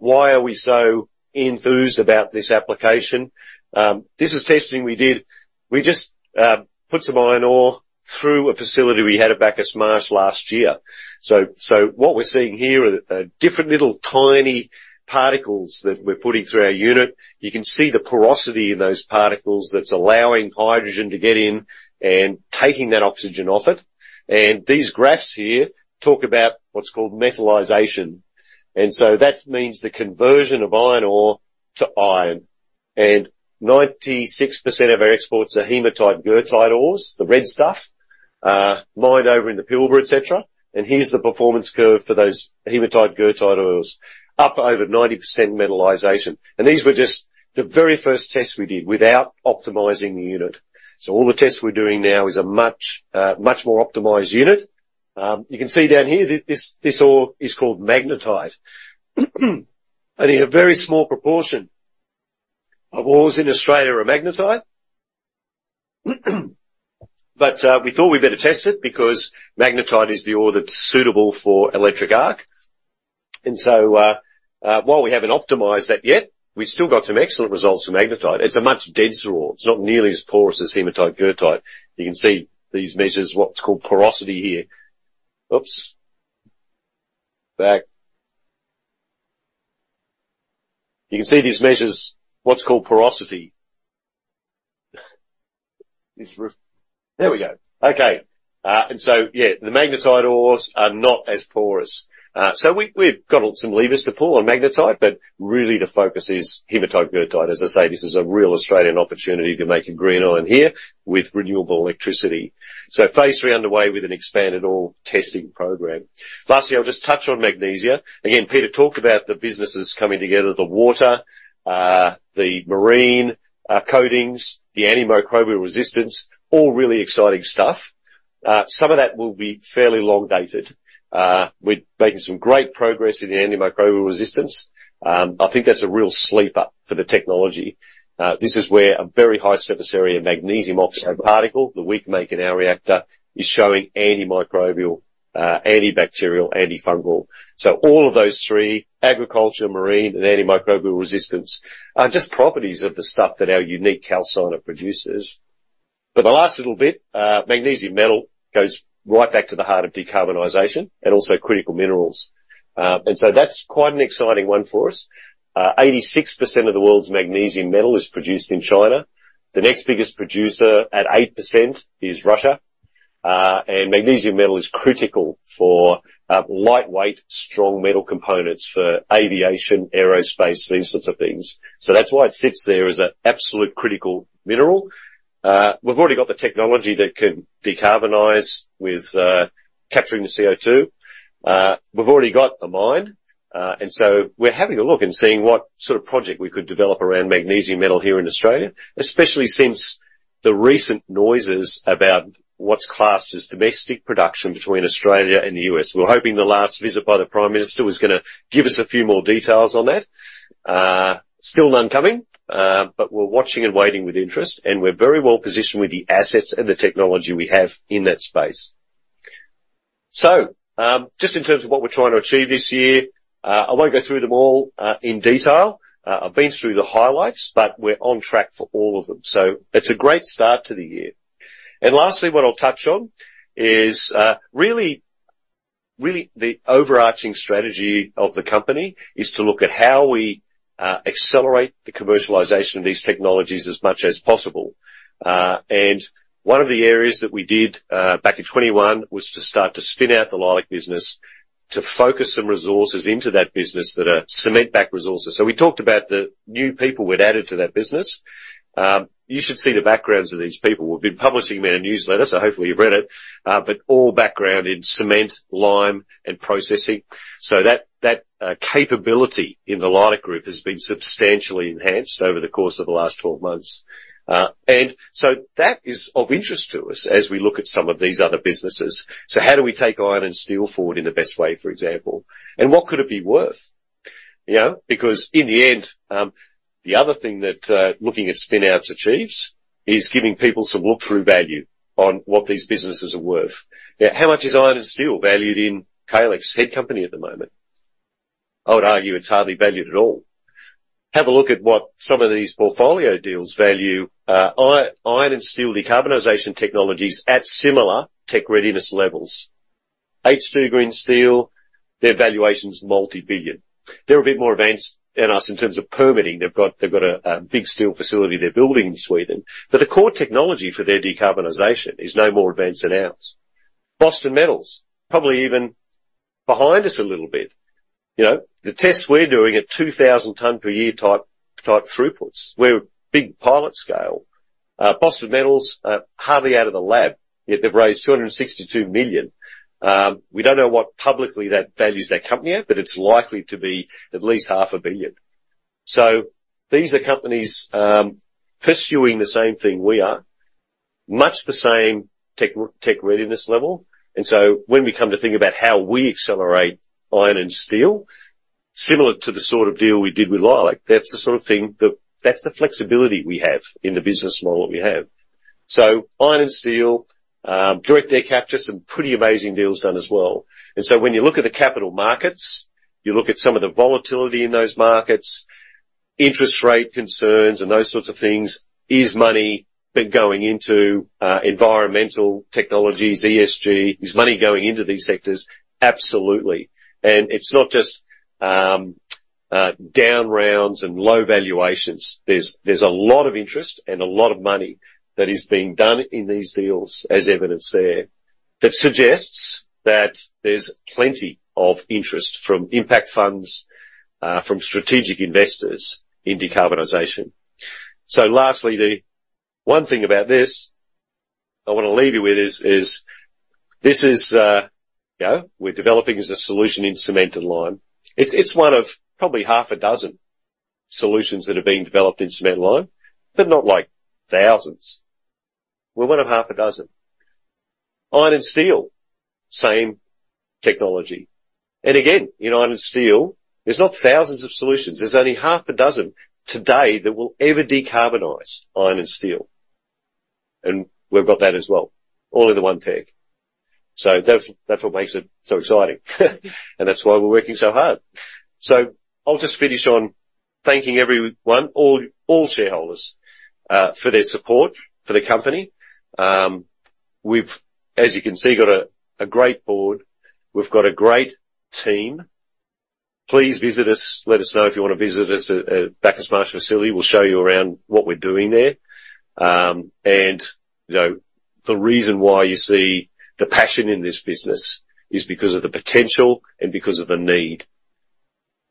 Why are we so enthused about this application? This is testing we did. We just put some iron ore through a facility we had at Bacchus Marsh last year. So what we're seeing here are different little tiny particles that we're putting through our unit. You can see the porosity in those particles that's allowing hydrogen to get in and taking that oxygen off it. And these graphs here talk about what's called metallization. And so that means the conversion of iron ore to iron. And 96% of our exports are hematite, goethite ores, the red stuff, mined over in the Pilbara, et cetera. And here's the performance curve for those hematite, goethite ores, up over 90% metallization. And these were just the very first tests we did without optimizing the unit. So all the tests we're doing now is a much more optimized unit. You can see down here, this ore is called magnetite. Only a very small proportion of ores in Australia are magnetite. But we thought we better test it because magnetite is the ore that's suitable for electric arc. And so, while we haven't optimized that yet, we still got some excellent results from magnetite. It's a much denser ore. It's not nearly as porous as hematite, goethite. You can see these measures, what's called porosity. And so, yeah, the magnetite ores are not as porous. So we've got some levers to pull on magnetite, but really the focus is hematite, goethite. As I say, this is a real Australian opportunity to make a green iron here with renewable electricity. So phase three underway with an expanded ore testing program. Lastly, I'll just touch on magnesia. Again, Peter talked about the businesses coming together: the water, the marine, coatings, the antimicrobial resistance. All really exciting stuff. Some of that will be fairly long-dated. We're making some great progress in the antimicrobial resistance. I think that's a real sleeper for the technology. This is where a very high surface area magnesium oxide particle, that we make in our reactor, is showing antimicrobial, antibacterial, antifungal. So all of those three, agriculture, marine, and antimicrobial resistance, are just properties of the stuff that our unique calciner produces. But the last little bit, magnesium metal, goes right back to the heart of decarbonization and also critical minerals. And so that's quite an exciting one for us. 86% of the world's magnesium metal is produced in China. The next biggest producer, at 8%, is Russia. And magnesium metal is critical for lightweight, strong metal components for aviation, aerospace, these sorts of things. So that's why it sits there as an absolute critical mineral. We've already got the technology that can decarbonize with capturing the CO2. We've already got a mine, and so we're having a look and seeing what sort of project we could develop around magnesium metal here in Australia. Especially since the recent noises about what's classed as domestic production between Australia and the U.S. We're hoping the last visit by the Prime Minister was gonna give us a few more details on that. Still none coming, but we're watching and waiting with interest, and we're very well positioned with the assets and the technology we have in that space. So, just in terms of what we're trying to achieve this year, I won't go through them all in detail. I've been through the highlights, but we're on track for all of them. So it's a great start to the year. And lastly, what I'll touch on is really, really the overarching strategy of the company is to look at how we accelerate the commercialization of these technologies as much as possible. And one of the areas that we did back in 2021 was to start to spin out the lime business, to focus some resources into that business that are cement-backed resources. So we talked about the new people we'd added to that business. You should see the backgrounds of these people. We've been publishing them in a newsletter, so hopefully you've read it. But all background in cement, lime, and processing. So that capability in the lime group has been substantially enhanced over the course of the last 12 months. And so that is of interest to us as we look at some of these other businesses. So how do we take iron and steel forward in the best way, for example? And what could it be worth? You know, because in the end, the other thing that looking at spin outs achieves is giving people some look-through value on what these businesses are worth. Now, how much is iron and steel valued in Calix's head company at the moment? I would argue it's hardly valued at all. Have a look at what some of these portfolio deals value, iron and steel decarbonization technologies at similar tech readiness levels. H2 Green Steel, their valuation's multi-billion. They're a bit more advanced than us in terms of permitting. They've got a big steel facility they're building in Sweden, but the core technology for their decarbonization is no more advanced than ours. Boston Metals, probably even behind us a little bit. You know, the tests we're doing are 2,000 ton per year type throughputs. We're big pilot scale. Boston Metals are hardly out of the lab, yet they've raised $262 million. We don't know what publicly that values their company at, but it's likely to be at least $500 million.... So these are companies pursuing the same thing we are. Much the same tech readiness level. And so when we come to think about how we accelerate iron and steel, similar to the sort of deal we did with Leilac, that's the sort of thing that-- that's the flexibility we have in the business model that we have. So iron and steel, direct air capture, some pretty amazing deals done as well. And so when you look at the capital markets, you look at some of the volatility in those markets, interest rate concerns, and those sorts of things, is money been going into, environmental technologies, ESG? Is money going into these sectors? Absolutely. And it's not just, down rounds and low valuations. There's, there's a lot of interest and a lot of money that is being done in these deals, as evidenced there. That suggests that there's plenty of interest from impact funds, from strategic investors in decarbonization. So lastly, the one thing about this I wanna leave you with is this, you know, we're developing as a solution in cement and lime. It's one of probably half a dozen solutions that are being developed in cement and lime, but not like thousands. We're one of half a dozen. Iron and steel, same technology. And again, in iron and steel, there's not thousands of solutions. There's only half a dozen today that will ever decarbonize iron and steel, and we've got that as well, all in the one tech. So that's what makes it so exciting, and that's why we're working so hard. So I'll just finish on thanking everyone, all shareholders for their support for the company. We've, as you can see, got a great board. We've got a great team. Please visit us. Let us know if you want to visit us at Bacchus Marsh facility. We'll show you around what we're doing there. You know, the reason why you see the passion in this business is because of the potential and because of the need.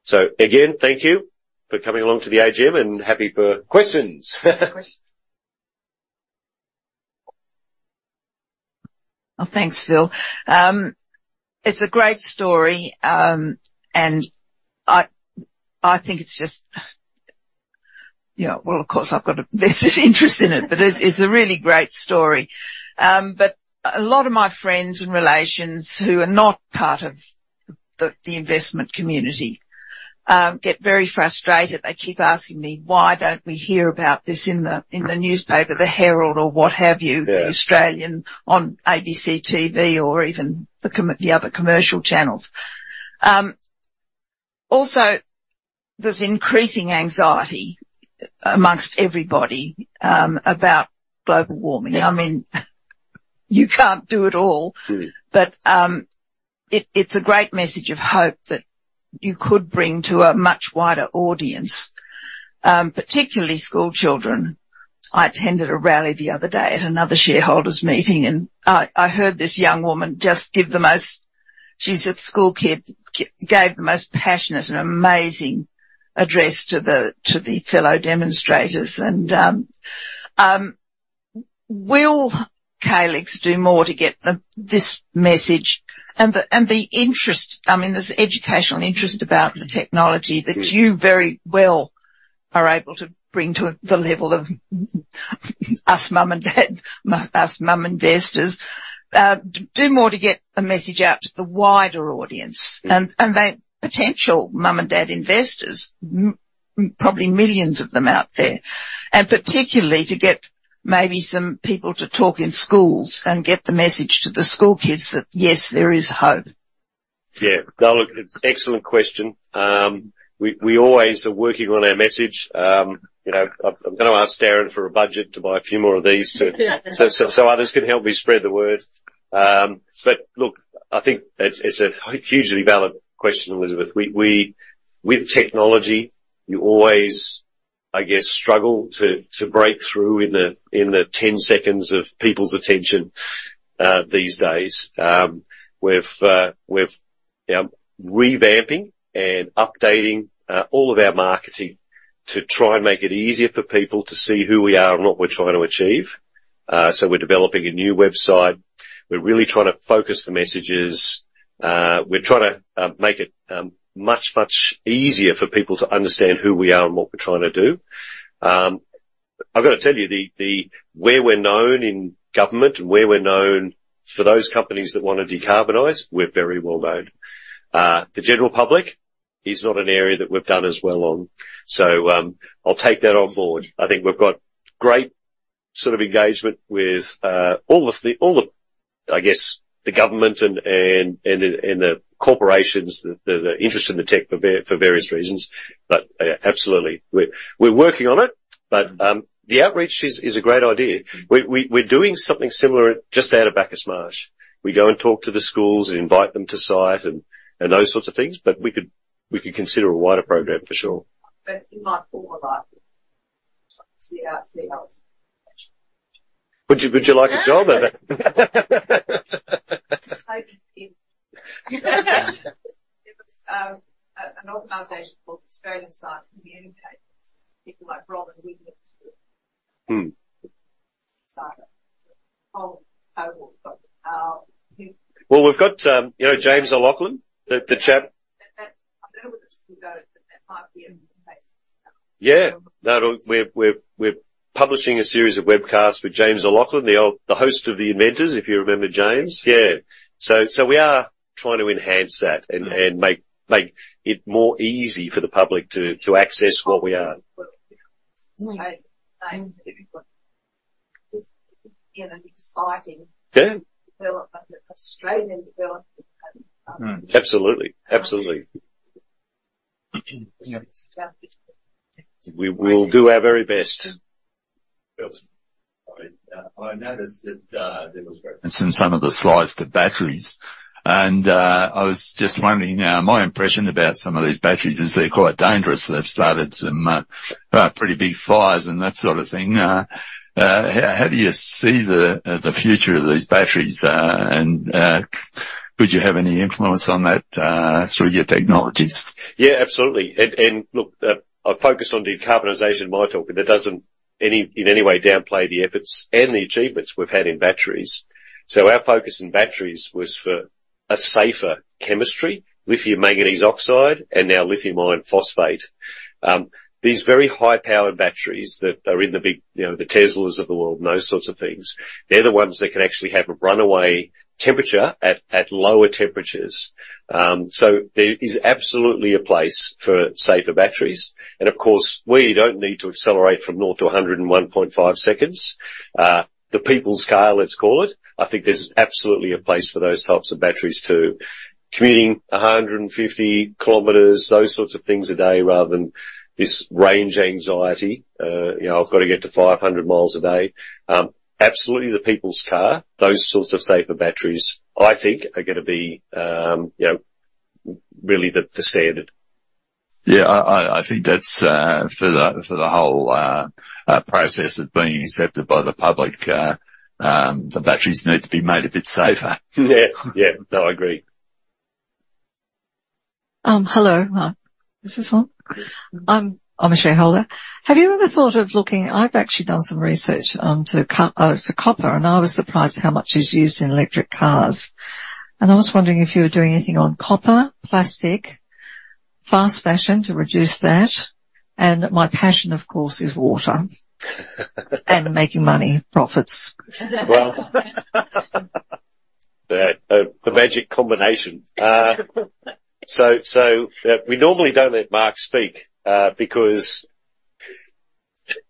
So again, thank you for coming along to the AGM, and happy for questions. Questions. Well, thanks, Phil. It's a great story, and I think it's just... Yeah, well, of course, I've got a vested interest in it, but it's a really great story. But a lot of my friends and relations who are not part of the investment community get very frustrated. They keep asking me, "Why don't we hear about this in the newspaper, The Herald or what have you- Yeah. The Australian, on ABC TV, or even the other commercial channels? Also, there's increasing anxiety among everybody about global warming. Yeah. I mean, you can't do it all. Mm. But, it's a great message of hope that you could bring to a much wider audience, particularly schoolchildren. I attended a rally the other day at another shareholders' meeting, and I heard this young woman just give the most... She's a schoolkid, gave the most passionate and amazing address to the fellow demonstrators. Will Calix do more to get the, this message and the, and the interest? I mean, there's educational interest about the technology- Yeah. that you very well are able to bring to a, the level of, us, mom and dad, us, mom investors. Do more to get the message out to the wider audience. Mm. and the potential mom and dad investors, probably millions of them out there. And particularly to get maybe some people to talk in schools and get the message to the schoolkids that, yes, there is hope. Yeah. Now, look, it's an excellent question. We always are working on our message. You know, I'm gonna ask Darren for a budget to buy a few more of these to—so others can help me spread the word. But look, I think it's a hugely valid question, Elizabeth. With technology, you always, I guess, struggle to break through in the ten seconds of people's attention these days. We're revamping and updating all of our marketing to try and make it easier for people to see who we are and what we're trying to achieve. So we're developing a new website. We're really trying to focus the messages. We're trying to make it much, much easier for people to understand who we are and what we're trying to do. I've got to tell you, where we're known in government and where we're known for those companies that want to decarbonize, we're very well known. The general public is not an area that we've done as well on, so, I'll take that on board. I think we've got great sort of engagement with, I guess, the government and the corporations, the interest in the tech for various reasons. But, absolutely, we're working on it. But, the outreach is a great idea. Mm. We're doing something similar just out of Bacchus Marsh. We go and talk to the schools and invite them to site and those sorts of things, but we could consider a wider program for sure. You might call about it. See how it... Would you like a job over there? Take it. There was an organization called Australian Science Communicators. People like Robin Winston. Hmm.... Well, we've got, you know, James O'Loghlin, the chap- That might be in place. Yeah. No, we've we're publishing a series of webcasts with James O'Loghlin, the host of The Inventors, if you remember James. Yeah. So we are trying to enhance that and make it more easy for the public to access what we are. Well, yeah. Mm. Get an exciting- Yeah. Australian development. Absolutely. Absolutely. We will do our very best. I noticed that there was reference in some of the slides to batteries, and I was just wondering, now, my impression about some of these batteries is they're quite dangerous. They've started some pretty big fires and that sort of thing. How do you see the future of these batteries? And could you have any influence on that through your technologies? Yeah, absolutely. And, and look, I've focused on decarbonization in my talk, and that doesn't in any way downplay the efforts and the achievements we've had in batteries. So our focus in batteries was for a safer chemistry, lithium manganese oxide and now lithium iron phosphate. These very high-powered batteries that are in the big, you know, the Teslas of the world and those sorts of things, they're the ones that can actually have a runaway temperature at lower temperatures. So there is absolutely a place for safer batteries. And of course, we don't need to accelerate from 0 to 100 in 1.5 seconds. The people's car, let's call it, I think there's absolutely a place for those types of batteries, too. Commuting 150 kilometers a day, those sorts of things, rather than this range anxiety. You know, I've got to get to 500 miles a day. Absolutely, the people's car, those sorts of safer batteries, I think are gonna be, you know, really the standard. Yeah, I think that's for the whole process of being accepted by the public, the batteries need to be made a bit safer. Yeah. Yeah. No, I agree. Hello, Mark. Is this on? I'm a shareholder. Have you ever thought of looking... I've actually done some research to copper, and I was surprised at how much is used in electric cars. I was wondering if you were doing anything on copper, plastic, fast fashion to reduce that. My passion, of course, is water. Making money. Profits. Well, the magic combination. So, we normally don't let Mark speak because...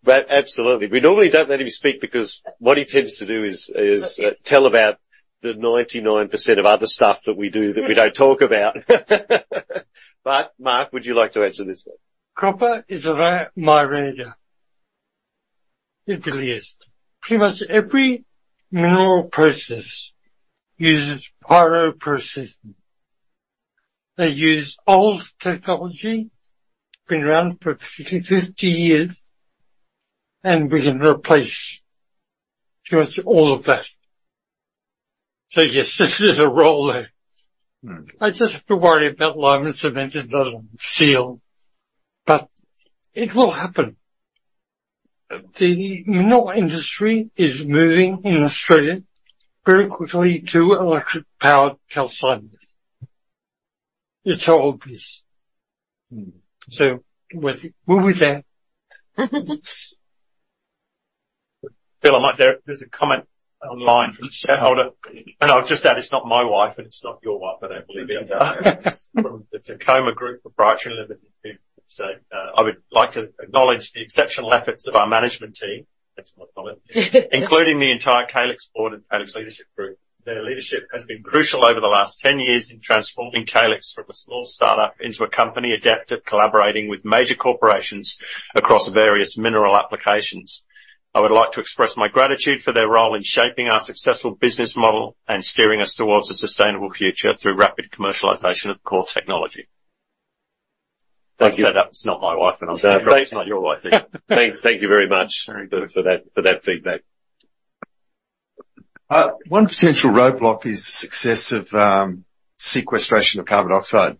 But absolutely, we normally don't let him speak because what he tends to do is, Okay. Tell about the 99% of other stuff that we do, that we don't talk about. But Mark, would you like to answer this one? Copper is a very minor one. It's the least. Pretty much every mineral process uses pyroprocessing. They use old technology, been around for 50 years, and we can replace pretty much all of that. So yes, this is a role there. Mm. I just have to worry about lime and cement and not on steel, but it will happen. The mineral industry is moving in Australia very quickly to electric-powered calciner. It's obvious. Mm. So we'll be there. Phil, there's a comment online from shareholder, and I'll just add, it's not my wife, and it's not your wife, but I believe it. It's from the Tecoma Group of Brighton Limited. So, I would like to acknowledge the exceptional efforts of our management team. That's my comment. Including the entire Calix board and Calix leadership group. Their leadership has been crucial over the last 10 years in transforming Calix from a small start-up into a company adept at collaborating with major corporations across various mineral applications. I would like to express my gratitude for their role in shaping our successful business model and steering us towards a sustainable future through rapid commercialization of the core technology. Thank you. That was not my wife. And I was- That's not your wife either. Thank you very much for that feedback. One potential roadblock is the success of sequestration of carbon dioxide.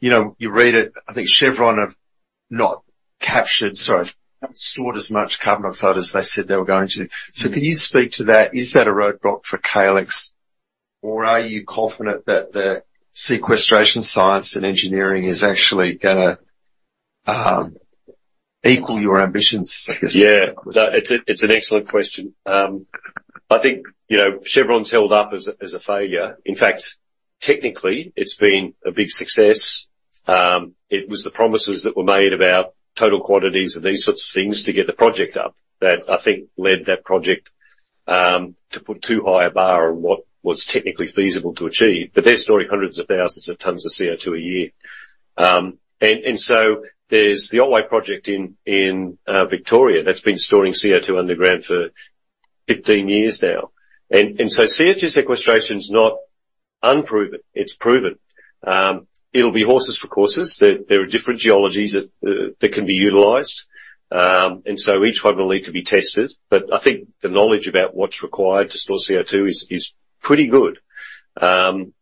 You know, you read it, I think Chevron have not captured, sorry, stored as much carbon dioxide as they said they were going to. Mm. So can you speak to that? Is that a roadblock for Calix, or are you confident that the sequestration science and engineering is actually gonna equal your ambitions, I guess? Yeah. No, it's a, it's an excellent question. I think, you know, Chevron's held up as a, as a failure. In fact, technically, it's been a big success. It was the promises that were made about total quantities and these sorts of things to get the project up, that I think led that project to put too high a bar on what was technically feasible to achieve. But they're storing hundreds of thousands of tons of CO2 a year. And so there's the Otway Project in Victoria, that's been storing CO2 underground for 15 years now. And so CO2 sequestration is not unproven, it's proven. It'll be horses for courses. There are different geologies that can be utilized. And so each one will need to be tested. But I think the knowledge about what's required to store CO2 is, is pretty good.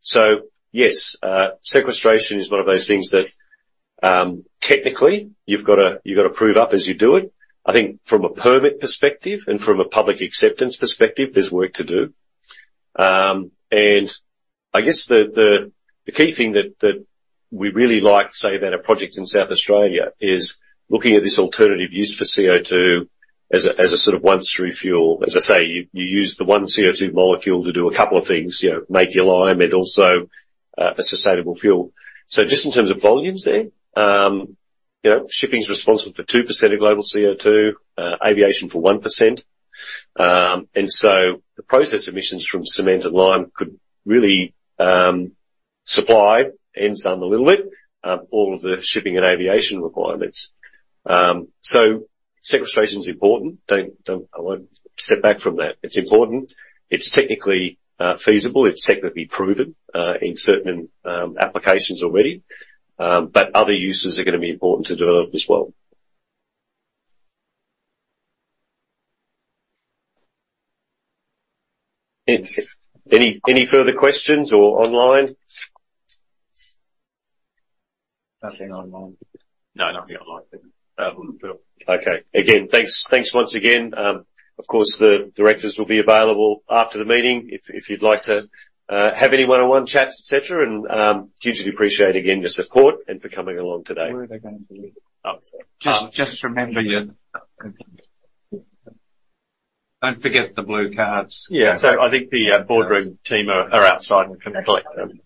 So yes, sequestration is one of those things that, technically, you've gotta, you've gotta prove up as you do it. I think from a permit perspective and from a public acceptance perspective, there's work to do. And I guess the, the, the key thing that, that we really like to say about a project in South Australia is looking at this alternative use for CO2 as a, as a sort of once-through fuel. As I say, you, you use the one CO2 molecule to do a couple of things. You know, make your lime, and also, a sustainable fuel. So just in terms of volumes there, you know, shipping is responsible for 2% of global CO2, aviation for 1%. And so the process emissions from cement and lime could really supply all of the shipping and aviation requirements. So sequestration is important. Don't... I won't step back from that. It's important. It's technically feasible. It's technically proven in certain applications already. But other uses are gonna be important to develop as well. Any further questions or online? Nothing online. No, nothing online. Bill. Okay, again, thanks, thanks once again. Of course, the directors will be available after the meeting if you'd like to have any one-on-one chats, et cetera. And hugely appreciate, again, your support and for coming along today. Where are they gonna be? Oh. Just remember. Don't forget the blue cards. Yeah. I think the Boardroom team are outside and can collect them.